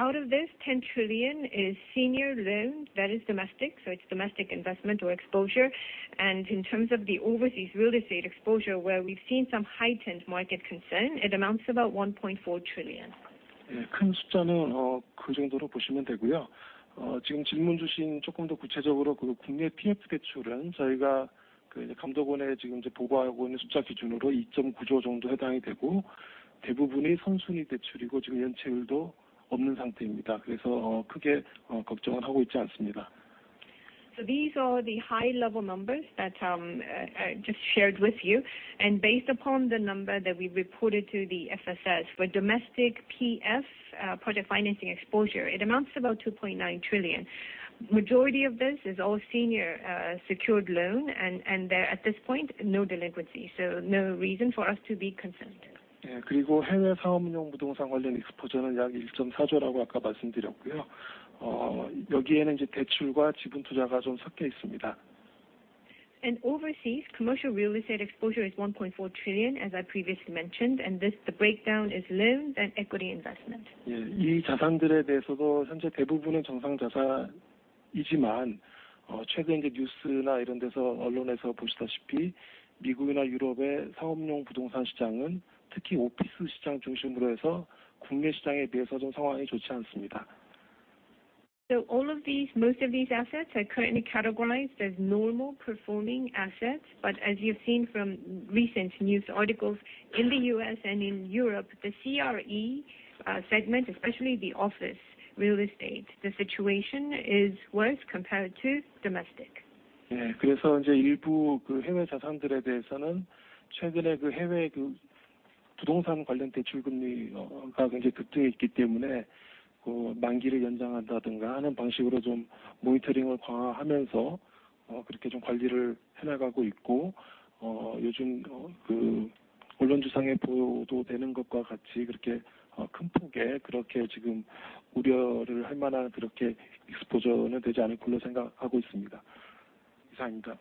Speaker 4: Out of this, 10 trillion is senior loan that is domestic, so it's domestic investment or exposure. In terms of the overseas real estate exposure, where we've seen some heightened market concern, it amounts to about 1.4 trillion.
Speaker 10: 예, 큰 숫자는 그 정도로 보시면 되고요. 지금 질문 주신 조금 더 구체적으로 그 국내 PF 대출은 저희가 그 이제 FSS에 지금 이제 보고하고 있는 숫자 기준으로 KRW 2.9 trillion 정도 해당이 되고, 대부분이 선순위 대출이고, 지금 연체율도 없는 상태입니다. 크게 걱정은 하고 있지 않습니다.
Speaker 4: These are the high level numbers that I just shared with you. Based upon the number that we reported to the FSS for domestic PF project financing exposure, it amounts to about 2.9 trillion. Majority of this is all senior secured loan, and there at this point, no delinquency, so no reason for us to be concerned.
Speaker 10: 예, 해외 사업용 부동산 관련 익스포저는 약 1.4 trillion이라고 아까 말씀드렸고요. 여기에는 이제 대출과 지분 투자가 좀 섞여 있습니다.
Speaker 4: overseas commercial real estate exposure is 1.4 trillion, as I previously mentioned, and this, the breakdown is loans and equity investment.
Speaker 10: 예, 이 자산들에 대해서도 현재 대부분은 정상 자산이지만, 최근 이제 뉴스나 이런 데서 언론에서 보시다시피, 미국이나 유럽의 사업용 부동산 시장은 특히 오피스 시장 중심으로 해서 국내 시장에 비해서 좀 상황이 좋지 않습니다.
Speaker 4: Yes, most of these assets are currently normal, but as you've seen in the news and other media recently, the commercial real estate markets in the U.S. and Europe, particularly the office market, are in a less favorable situation compared to the domestic market. Yes, most of these assets are currently normal, but as you've seen in the news and other media recently, the commercial real estate markets in the U.S. and Europe, particularly the office market, are in a less favorable situation compared to the domestic market.
Speaker 10: 이제 일부 그 해외 자산들에 대해서는 최근에 그 해외 그 부동산 관련 대출 금리가 굉장히 급등해 있기 때문에, 그 만기를 연장한다든가 하는 방식으로 좀 모니터링을 강화하면서, 그렇게 좀 관리를 해나가고 있고, 요즘 그 언론지상에 보도되는 것과 같이 그렇게, 큰 폭의 그렇게 지금 우려를 할 만한 그렇게 익스포저는 되지 않을 걸로 생각하고 있습니다.
Speaker 4: For these overseas real estate exposures, we are tightening our monitoring. The lending rates for these real estates have really shot up recently. The types of adjustments that or monitoring that we're focusing on is, for instance, extending the maturity of those loans. Our exposure is not that significant for it to warrant any significant concern, as any significant concern.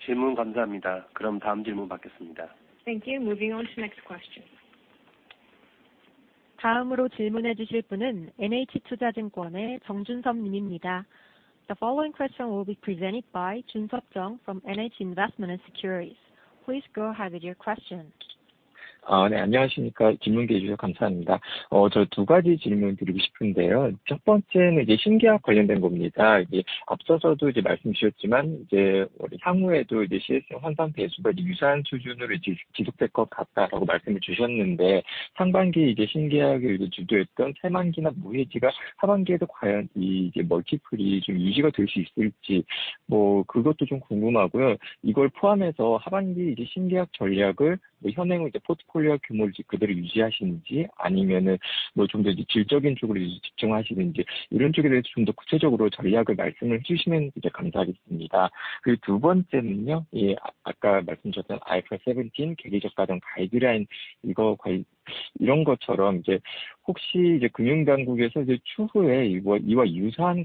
Speaker 10: 질문 감사합니다. 그럼 다음 질문 받겠습니다.
Speaker 4: Thank you. Moving on to next question.
Speaker 1: 다음으로 질문해 주실 분은 NH투자증권의 정준섭 님입니다. The following question will be presented by Jun-seop Jung from NH Investment Securities. Please go ahead with your question.
Speaker 11: 네, 안녕하십니까? 질문기회 주셔서 감사합니다. 저두 가지 질문을 드리고 싶은데요. 첫 번째는 이제 신계약 관련된 겁니다. 이게 앞서서도 이제 말씀해 주셨지만, 이제 향후에도 이제 CSM conversion multiple이 유사한 수준으로 이제 지속될 것 같다라고 말씀을 주셨는데, 상반기 이제 신계약이 이제 주도했던 age-term이나 no-lapse가 하반기에도 과연 이 멀티플이 좀 유지가 될수 있을지, 그것도 좀 궁금하고요. 이걸 포함해서 하반기 이제 신계약 전략을 현행으로 이제 포트폴리오 규모를 그대로 유지하시는지, 아니면은 좀더 이제 질적인 쪽으로 집중하시는지, 이런 쪽에 대해서 좀더 구체적으로 전략을 말씀을 해주시면 이제 감사하겠습니다. 두 번째는요, 아까 말씀드렸던 IFRS 17 actuarial assumption guideline, 이런 것처럼 이제 혹시 이제 financial authorities에서 이제 추후에 이와, 이와 유사한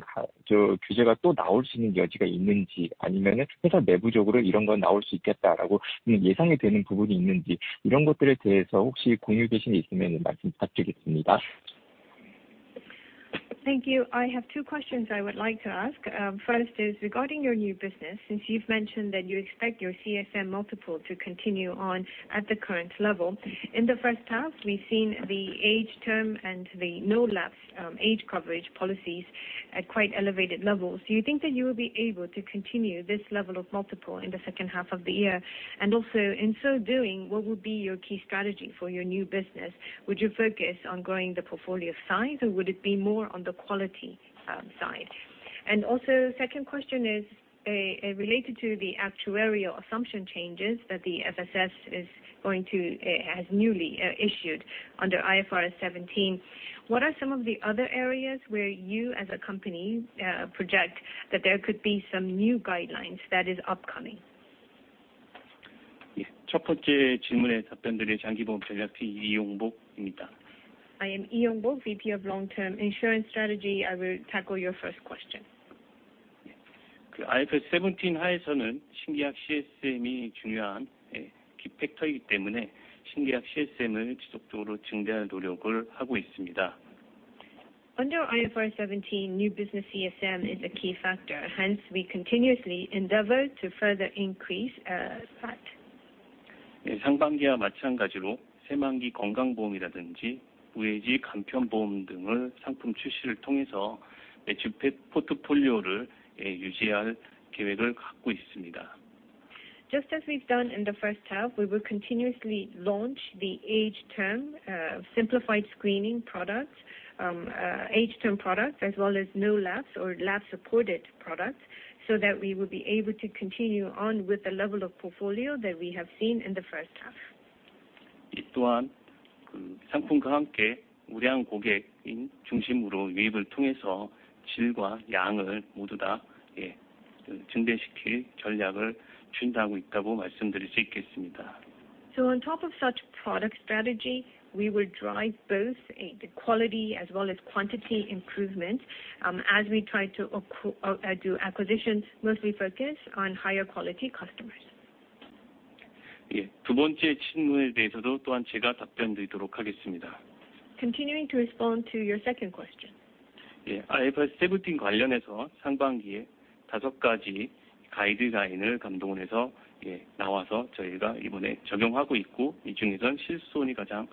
Speaker 11: 규제가 또 나올 수 있는 여지가 있는지, 아니면은 회사 내부적으로 이런 건 나올 수 있겠다라고 좀 예상이 되는 부분이 있는지, 이런 것들에 대해서 혹시 공유하실 수 있으면 말씀 부탁드리겠습니다.
Speaker 4: Thank you. I have 2 questions I would like to ask. 1st is regarding your new business, since you've mentioned that you expect your CSM multiple to continue on at the current level. In the 1st half, we've seen the age-term and the no-lapse, age coverage policies at quite elevated levels. Do you think that you will be able to continue this level of multiple in the 2nd half of the year? In so doing, what would be your key strategy for your new business? Would you focus on growing the portfolio size, or would it be more on the quality side? 2nd question is related to the actuarial assumption changes that the FSS is going to has newly issued under IFRS 17. What are some of the other areas where you, as a company, project that there could be some new guidelines that is upcoming?
Speaker 6: 예, 첫 번째 질문에 답변드릴 장기보험 전략팀 이용복입니다.
Speaker 4: I am Yong-bok, VP of Long-Term Insurance Strategy. I will tackle your first question....
Speaker 6: 그 IFRS 17 하에서는 신계약 CSM이 중요한 키팩터이기 때문에 신계약 CSM을 지속적으로 증대하는 노력을 하고 있습니다.
Speaker 4: Under IFRS 17, new business CSM is a key factor. We continuously endeavor to further increase that.
Speaker 6: 상반기와 마찬가지로 새만기 건강보험이라든지 무해지 간편보험 등을 상품 출시를 통해서 매출 포트폴리오를 유지할 계획을 갖고 있습니다.
Speaker 4: Just as we've done in the first half, we will continuously launch the age-term, simplified screening product, age-term products as well as no-lapse or lapse-supported products, so that we will be able to continue on with the level of portfolio that we have seen in the first half.
Speaker 6: 이 또한 그 상품과 함께 우량 고객인 중심으로 유입을 통해서 질과 양을 모두 다 증대시킬 전략을 추진하고 있다고 말씀드릴 수 있겠습니다.
Speaker 4: On top of such product strategy, we will drive both the quality as well as quantity improvement, as we try to do acquisitions, mostly focus on higher quality customers.
Speaker 6: 예, 두 번째 질문에 대해서도 또한 제가 답변드리도록 하겠습니다.
Speaker 4: Continuing to respond to your second question.
Speaker 6: 예, IFRS 17 관련해서 상반기에 다섯 가지 가이드라인을 감독원에서 나와서 저희가 이번에 적용하고 있고, 이 중에서는 실손이 가장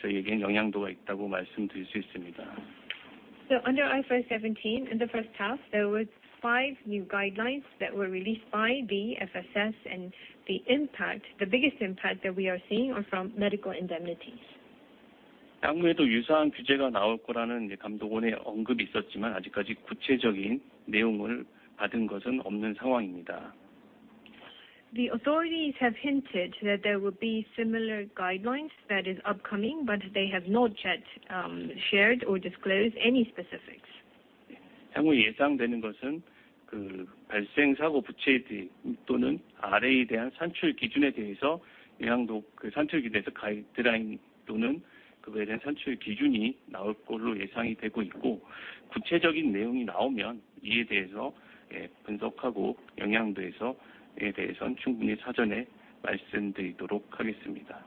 Speaker 6: 저희에게 영향도가 있다고 말씀드릴 수 있습니다.
Speaker 4: Under IFRS 17, in the first half, there were five new guidelines that were released by the FSS, and the impact, the biggest impact that we are seeing are from medical indemnities.
Speaker 6: 향후에도 유사한 규제가 나올 거라는 감독원의 언급이 있었지만, 아직까지 구체적인 내용을 받은 것은 없는 상황입니다.
Speaker 4: The authorities have hinted that there will be similar guidelines that is upcoming, but they have not yet shared or disclosed any specifics.
Speaker 6: 향후 예상되는 것은 그 발생 사고 부채 또는 RA에 대한 산출 기준에 대해서 영향도, 그 산출 기준에 대해서 가이드라인 또는 그거에 대한 산출 기준이 나올 걸로 예상이 되고 있고, 구체적인 내용이 나오면 이에 대해서 분석하고 영향도에서에 대해서는 충분히 사전에 말씀드리도록 하겠습니다.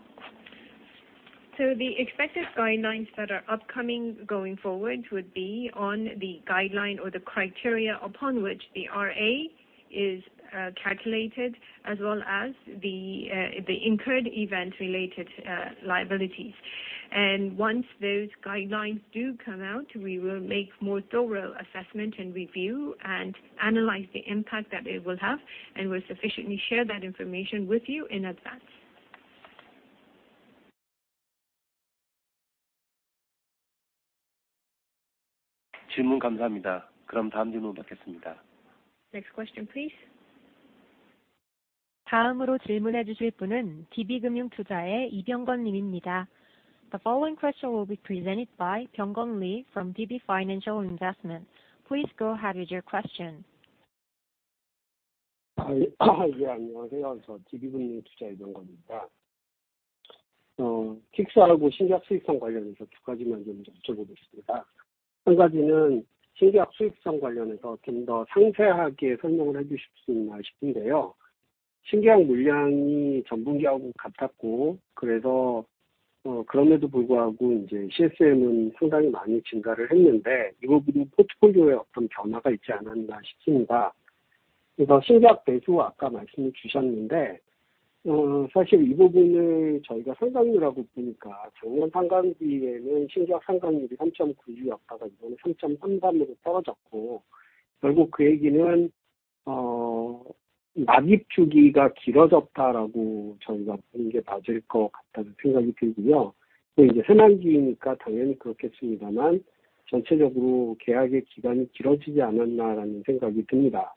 Speaker 4: The expected guidelines that are upcoming going forward would be on the guideline or the criteria upon which the RA is calculated, as well as the the incurred event related liabilities. Once those guidelines do come out, we will make more thorough assessment and review and analyze the impact that it will have, and will sufficiently share that information with you in advance.
Speaker 6: 질문 감사합니다. 그럼 다음 질문 받겠습니다.
Speaker 4: Next question, please.
Speaker 1: 다음으로 질문해 주실 분은 DB금융투자의 이병건 님입니다. The following question will be presented by Byung-gun Lee from DB Financial Investment. Please go ahead with your question.
Speaker 12: 예, 안녕하세요. 저 DB Financial Investment Byoung-gun Lee입니다. K-ICS하고 신규 수익성 관련해서 두 가지만 좀 여쭤보고 싶습니다. 한 가지는 신계약 수익성 관련해서 좀더 상세하게 설명을 해 주실 수 있나 싶은데요? 신계약 물량이 전 분기하고 같았고, 그럼에도 불구하고 이제 CSM은 상당히 많이 증가를 했는데, 이 부분이 포트폴리오에 어떤 변화가 있지 않았나 싶습니다. 신규 계약 대수 아까 말씀을 주셨는데, 사실 이 부분을 저희가 성장률하고 보니까 작년 상반기에는 신규 계약 성장률이 3.96%였다가 이번에 3.33%로 떨어졌고, 결국 그 얘기는 납입 주기가 길어졌다라고 저희가 보는 게 맞을 것 같다는 생각이 들고요. 이제 선환기이니까 당연히 그렇겠습니다만, 전체적으로 계약의 기간이 길어지지 않았나라는 생각이 듭니다.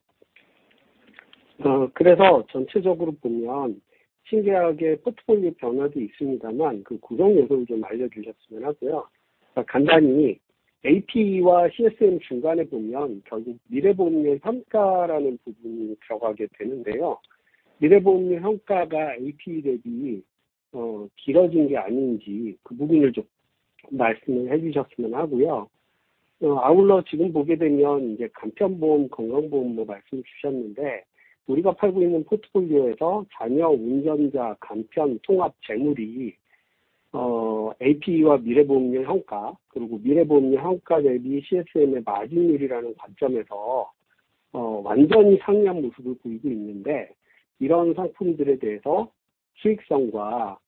Speaker 12: 전체적으로 보면 신계약의 포트폴리오 변화도 있습니다만, 그 구성 요소를 좀 알려주셨으면 하고요. 자, 간단히 APE와 CSM 중간에 보면 결국 미래보험의 평가라는 부분이 들어가게 되는데요. 미래보험의 평가가 APE 대비 길어진 게 아닌지? 그 부분을 좀 말씀을 해주셨으면 하고요. 아울러 지금 보게 되면 이제 간편보험, 건강보험도 말씀 주셨는데, 우리가 팔고 있는 포트폴리오에서 잔여 운전자 간편 통합 재물이 APE와 미래 보험의 평가, 그리고 미래 보험의 평가 대비 CSM의 마진율이라는 관점에서 완전히 상향 모습을 보이고 있는데, 이런 상품들에 대해서 수익성과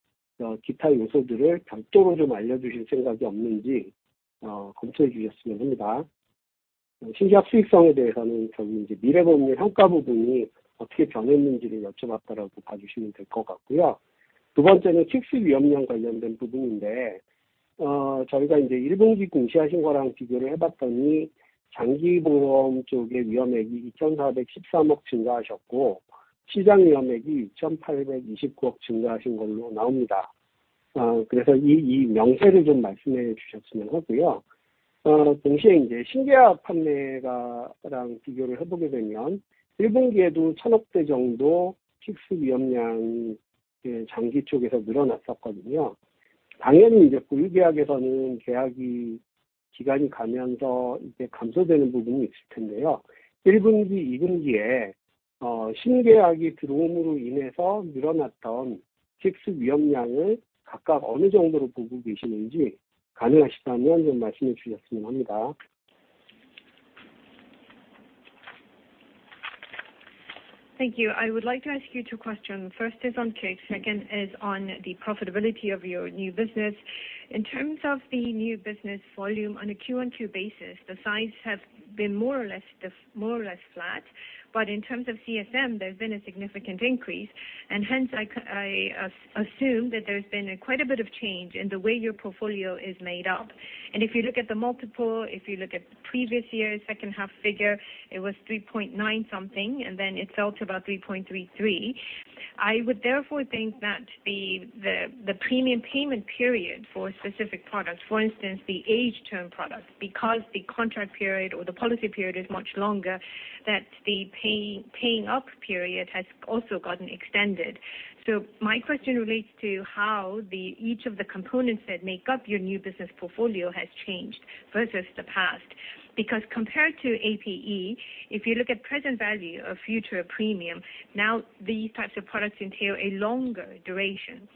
Speaker 12: 기타 요소들을 별도로 좀 알려주실 생각이 없는지 검토해 주셨으면 합니다. 신규 수익성에 대해서는 저희 이제 미래보험의 평가 부분이 어떻게 변했는지를 여쭤봤다고 봐주시면 될것 같고요. 두 번째는 K-ICS 위험량 관련된 부분인데, 저희가 이제 1분기 공시하신 거랑 비교를 해봤더니 장기 보험 쪽의 위험액이 KRW 2,413억 증가하셨고, 시장 위험액이 KRW 2,829억 증가하신 걸로 나옵니다. 이 명세를 좀 말씀해 주셨으면 하고요. 동시에 이제 신계약 판매가랑 비교를 해보게 되면 1분기에도 around KRW 100 billion 정도 K-ICS 위험량이 장기 쪽에서 늘어났었거든요.
Speaker 4: Thank you. I would like to ask you 2 questions. First is on K-ICS, second is on the profitability of your new business. In terms of the new business volume on a Q-on-Q basis, the size has been more or less, the more or less flat, but in terms of CSM, there's been a significant increase, and hence I assume that there's been quite a bit of change in the way your portfolio is made up. If you look at the multiple, if you look at the previous year, second half figure, it was 3.9x something, and then it fell to about 3.33x. I would therefore think that the premium payment period for specific products, for instance, the age-term product, because the contract period or the policy period is much longer, that the paying up period has also gotten extended. My question relates to how the, each of the components that make up your new business portfolio has changed versus the past. Because compared to APE, if you look at Present value of future premiums, now these types of products entail a longer duration.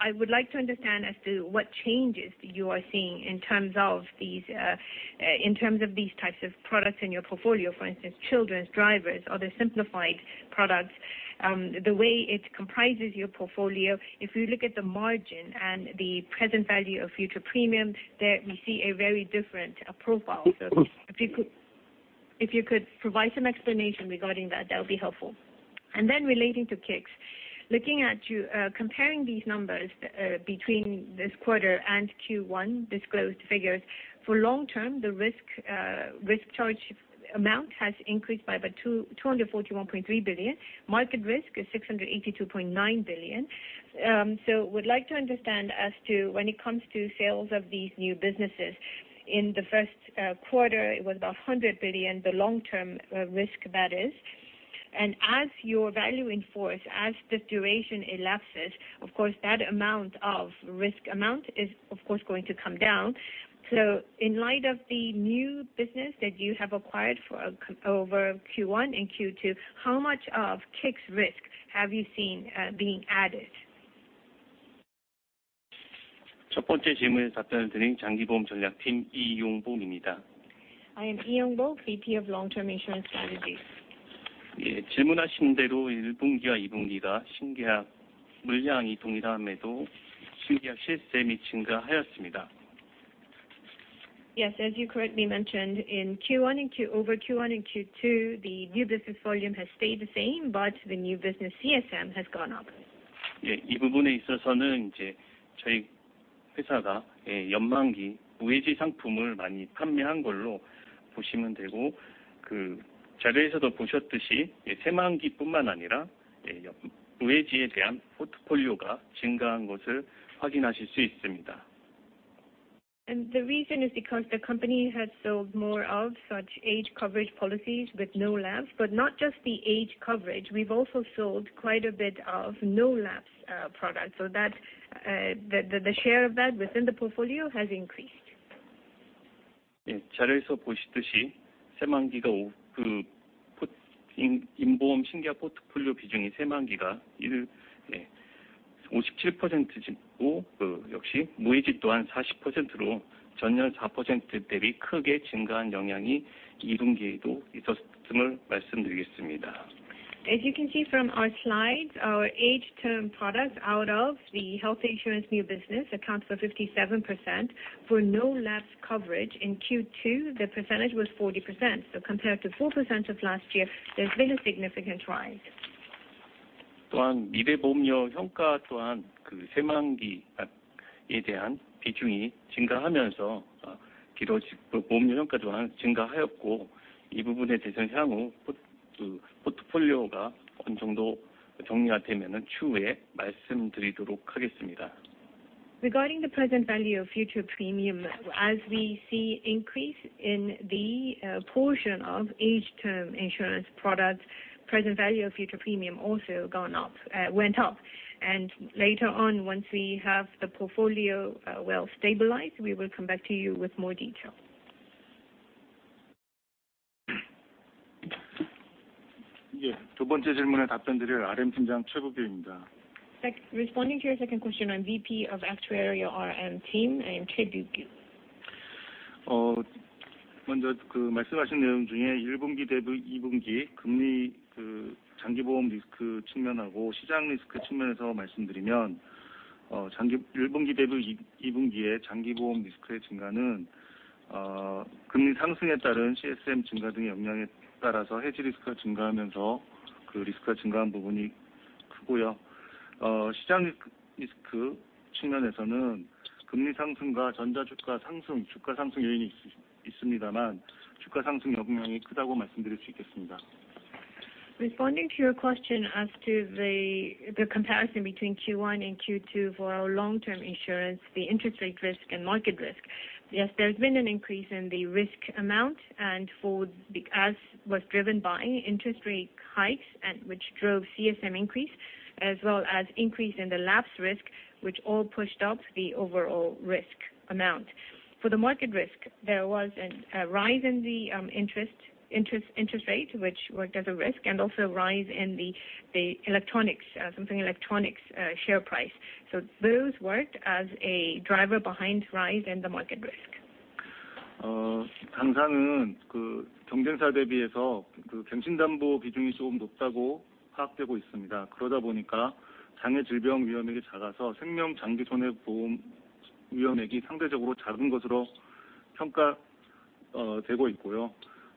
Speaker 4: I would like to understand as to what changes you are seeing in terms of these, in terms of these types of products in your portfolio, for instance, children's, drivers, or the simplified products, the way it comprises your portfolio. If you look at the margin and the present value of future premium, there we see a very different profile. If you could, if you could provide some explanation regarding that, that would be helpful. Then relating to K-ICS, looking at you, comparing these numbers between this quarter and Q1 disclosed figures, for long term, the risk, risk charge amount has increased by about 241.3 billion. Market risk is 682.9 billion. Would like to understand as to when it comes to sales of these new businesses, in the first quarter, it was about 100 billion, the long-term risk that is. As your value in force, as the duration elapses, of course, that amount of risk amount is, of course, going to come down. In light of the new business that you have acquired over Q1 and Q2, how much of K-ICS risk have you seen being added?
Speaker 6: I am Lee Yong-bok, VP of Long-Term Insurance Strategy. Yes, as you correctly mentioned, in Q1 and Q2, the new business volume has stayed the same, but the new business CSM has gone up. The reason is because the company has sold more of such age coverage policies with no lapse, but not just the age coverage, we've also sold quite a bit of no lapse products. So that the, the, the share of that within the portfolio has increased. As you can see from our slides, our Age-term products, out of the health insurance new business, accounts for 57%. For no lapse coverage in Q2, the percentage was 40%. Compared to 4% of last year, there's been a significant rise. Regarding the present value of future premium, as we see increase in the portion of age-term insurance products, present value of future premium also gone up, went up. Later on, once we have the portfolio, well stabilized, we will come back to you with more detail.
Speaker 13: Next, responding to your second question, I'm VP, Actuary & RM Team. I am Choi Byung-kyu. Responding to your question as to the, the comparison between Q1 and Q2 for our long-term insurance, the interest rate risk and market risk Yes, there's been an increase in the risk amount and for, as was driven by interest rate hikes and which drove CSM increase, as well as increase in the lapsed risk, which all pushed up the overall risk amount. For the market risk, there was an, a rise in the, interest, interest, interest rate, which worked as a risk, and also a rise in the, the electronics, something electronics, share price. Those worked as a driver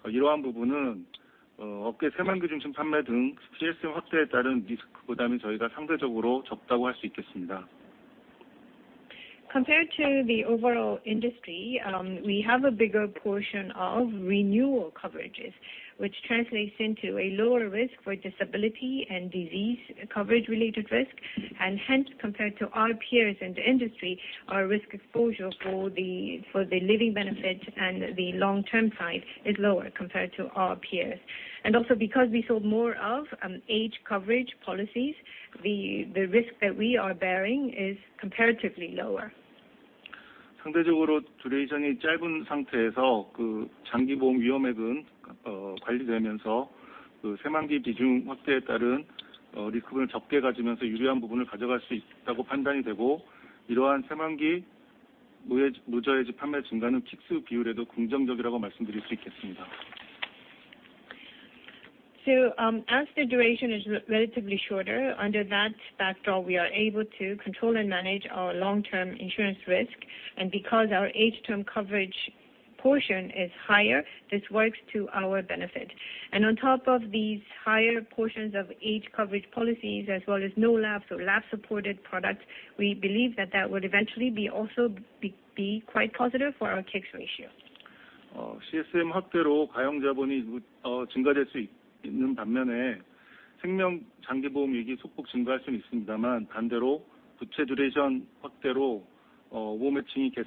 Speaker 13: behind rise in the market risk. Compared to the overall industry, we have a bigger portion of renewal coverages, which translates into a lower risk for disability and disease coverage related risk. Hence, compared to our peers in the industry, our risk exposure for the, for the living benefit and the long-term side is lower compared to our peers. Also because we sold more of age coverage policies, the, the risk that we are bearing is comparatively lower. As the duration is re- relatively shorter, under that factor, we are able to control and manage our long-term insurance risk. Because our age-term coverage portion is higher, this works to our benefit. On top of these higher portions of age-term coverage policies, as well as no-lapse or lapse-supported products, we believe that that would eventually be also be, be quite positive for our K-ICS ratio. With the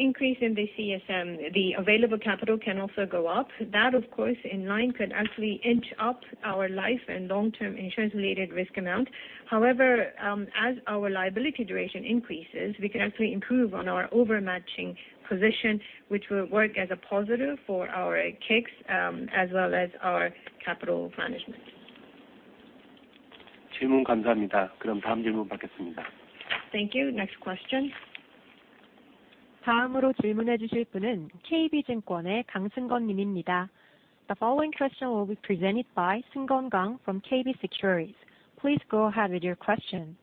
Speaker 13: increase in the CSM, the available capital can also go up. That, of course, in line, could actually inch up our life and long-term insurance related risk amount. However, as our liability duration increases, we can actually improve on our over-matching position, which will work as a positive for our K-ICS, as well as our capital management. Thank you. Next question.
Speaker 1: The following question will be presented by Kang Seung-gon from KB Securities. Please go ahead with your question.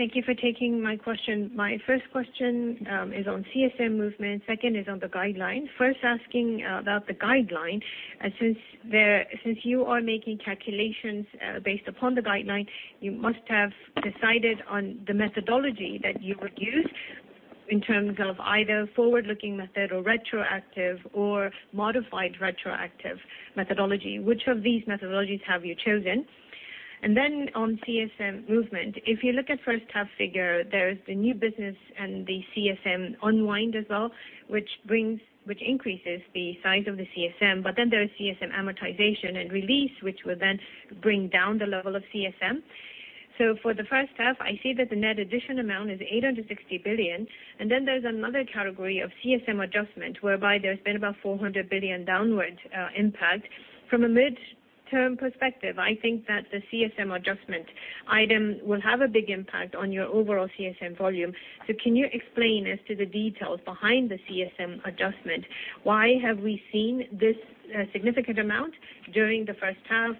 Speaker 14: Thank you for taking my question. My first question, is on CSM movement, second is on the guideline. First, asking about the guideline, since you are making calculations, based upon the guideline, you must have decided on the methodology that you would use in terms of either forward-looking method or retroactive or modified retroactive methodology. Which of these methodologies have you chosen? On CSM movement, if you look at first half figure, there is the new business and the CSM unwind as well, which brings, which increases the size of the CSM, but then there is CSM amortization and release, which will then bring down the level of CSM. For the first half, I see that the net addition amount is 860 billion, and then there's another category of CSM adjustment, whereby there's been about 400 billion downward impact. From a midterm perspective, I think that the CSM adjustment item will have a big impact on your overall CSM volume. Can you explain as to the details behind the CSM adjustment? Why have we seen this significant amount during the first half?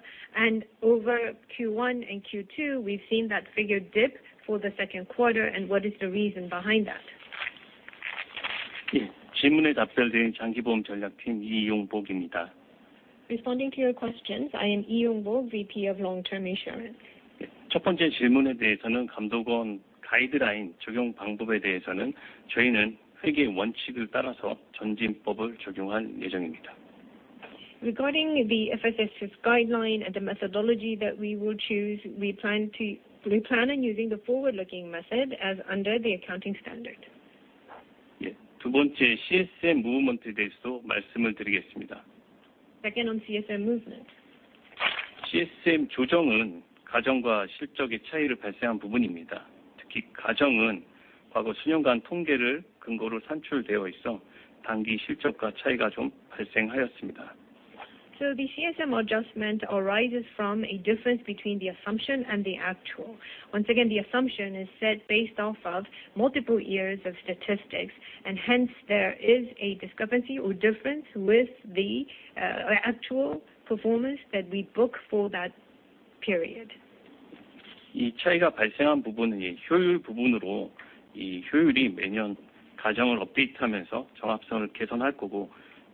Speaker 14: Over Q1 and Q2, we've seen that figure dip for the second quarter, and what is the reason behind that?
Speaker 4: Responding to your questions, I am Yong-bok Lee, VP of Long-Term Insurance.
Speaker 6: 첫 번째 질문에 대해서는 감독원 가이드라인 적용 방법에 대해서는 저희는 회계 원칙을 따라서 전진법을 적용할 예정입니다.
Speaker 4: Regarding the FSS guideline and the methodology that we will choose, we plan on using the forward-looking method as under the accounting standard. Yes, I will also explain the second CSM movement. Second, on CSM movement.
Speaker 6: CSM 조정은 가정과 실적에 차이를 발생한 부분입니다. 특히 가정은 과거 수년간 통계를 근거로 산출되어 있어 단기 실적과 차이가 좀 발생하였습니다.
Speaker 4: The CSM adjustment arises from a difference between the assumption and the actual. Once again, the assumption is set based off of multiple years of statistics, and hence there is a discrepancy or difference with the actual performance that we book for that period.
Speaker 6: 이 차이가 발생한 부분은 이 효율 부분으로, 이 효율이 매년 가정을 업데이트하면서 정확성을 개선할 거고,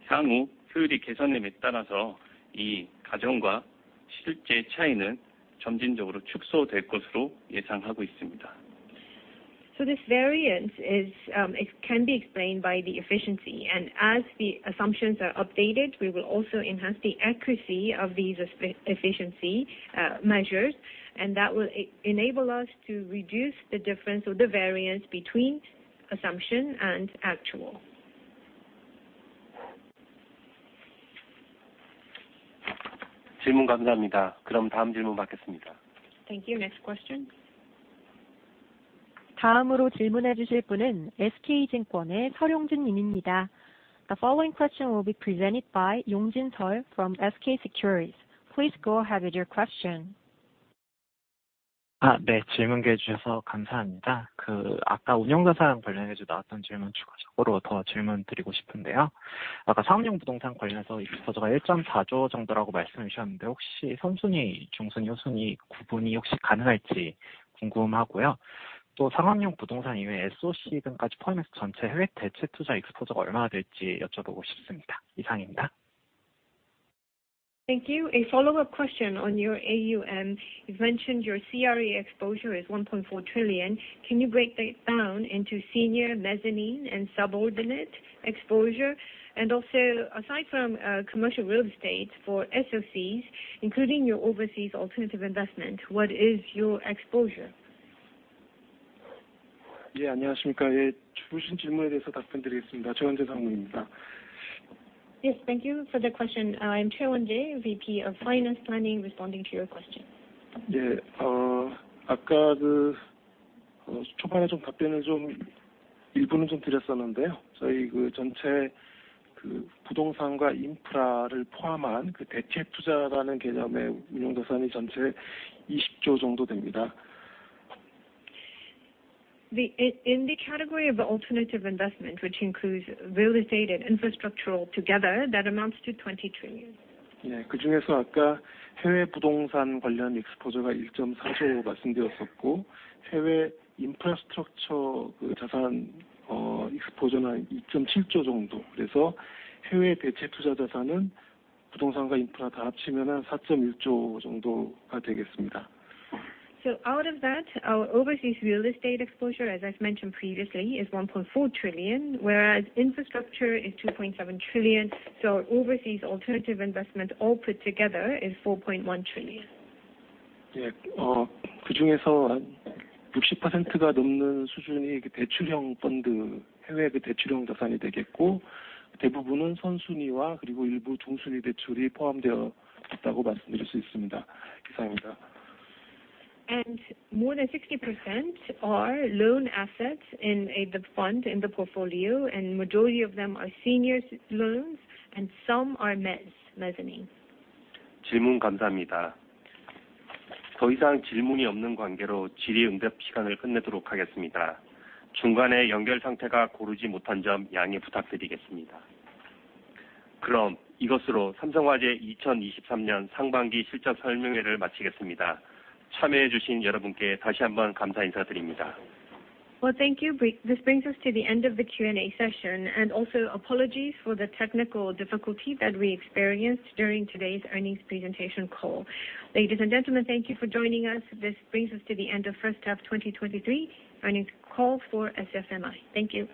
Speaker 6: 향후 효율이 개선됨에 따라서 이 가정과 실제 차이는 점진적으로 축소될 것으로 예상하고 있습니다.
Speaker 4: This variance is, it can be explained by the efficiency. As the assumptions are updated, we will also enhance the accuracy of these efficiency measures, and that will enable us to reduce the difference or the variance between assumption and actual.
Speaker 6: 질문 감사합니다. 그럼 다음 질문 받겠습니다.
Speaker 4: Thank you. Next question.
Speaker 1: The following question will be presented by Yongjin Seo from SK Securities. Please go ahead with your question.
Speaker 15: 질문 기회 주셔서 감사합니다. 아까 운영자산 관련해서 나왔던 질문 추가적으로 더 질문드리고 싶은데요. 아까 상업용 부동산 관련해서 익스포저가 1.4 trillion 정도라고 말씀해 주셨는데, 혹시 선순위, 중순위, 후순위 구분이 혹시 가능할지 궁금하고요. 상업용 부동산 이외 SOC 등까지 포함해서 전체 해외 대체 투자 익스포저가 얼마나 될지 여쭤보고 싶습니다. 이상입니다.
Speaker 4: Thank you. A follow-up question on your AUM. You've mentioned your CRE exposure is 1.4 trillion. Can you break that down into senior, mezzanine, and subordinate exposure? Also, aside from commercial real estate for SOCs, including your overseas alternative investment, what is your exposure?
Speaker 10: 예, 안녕하십니까? 예, 주신 질문에 대해서 답변 드리겠습니다. 최원재 상무입니다.
Speaker 4: Yes, thank you for the question. I'm Choi Wonjae, VP of Financial Planning, responding to your question.
Speaker 10: 예, 아까 그 초반에 좀 답변을 좀 일부는 좀 드렸었는데요. 저희 그 전체, 그 부동산과 인프라를 포함한 그 대체 투자라는 개념의 운영자산이 전체 20 trillion 정도 됩니다.
Speaker 4: The in the category of alternative investment, which includes real estate and infrastructural together, that amounts to 20 trillion.
Speaker 10: 네, 그중에서 아까 해외 부동산 관련 익스포저가 일점사조 말씀드렸었고, 해외 인프라스트럭처 그 자산, uh, 익스포저는 이점칠조 정도, 그래서 해외 대체 투자 자산은 부동산과 인프라 다 합치면 한사점일조 정도가 되겠습니다.
Speaker 4: Out of that, our overseas real estate exposure, as I've mentioned previously, is 1.4 trillion, whereas infrastructure is 2.7 trillion. Overseas alternative investment all put together is 4.1 trillion.
Speaker 10: 예, uh, 그중에서 한 육십 퍼센트가 넘는 수준이 그 대출형 펀드, 해외 그 대출형 자산이 되겠고, 대부분은 선순위와 그리고 일부 중순위 대출이 포함되어 있다고 말씀드릴 수 있습니다. 이상입니다.
Speaker 4: More than 60% are loan assets in, the fund, in the portfolio, and majority of them are senior loans, and some are mezzanine.
Speaker 6: 질문 감사합니다. 더 이상 질문이 없는 관계로 질의응답 시간을 끝내도록 하겠습니다. 중간에 연결 상태가 고르지 못한 점 양해 부탁드리겠습니다. 그럼 이것으로 삼성화재 2023 상반기 실적 설명회를 마치겠습니다. 참여해 주신 여러분께 다시 한번 감사 인사드립니다.
Speaker 4: Well, thank you. This brings us to the end of the Q&A session, and also apologies for the technical difficulty that we experienced during today's earnings presentation call. Ladies and gentlemen, thank you for joining us. This brings us to the end of first half 2023 earnings call for SFMI. Thank you!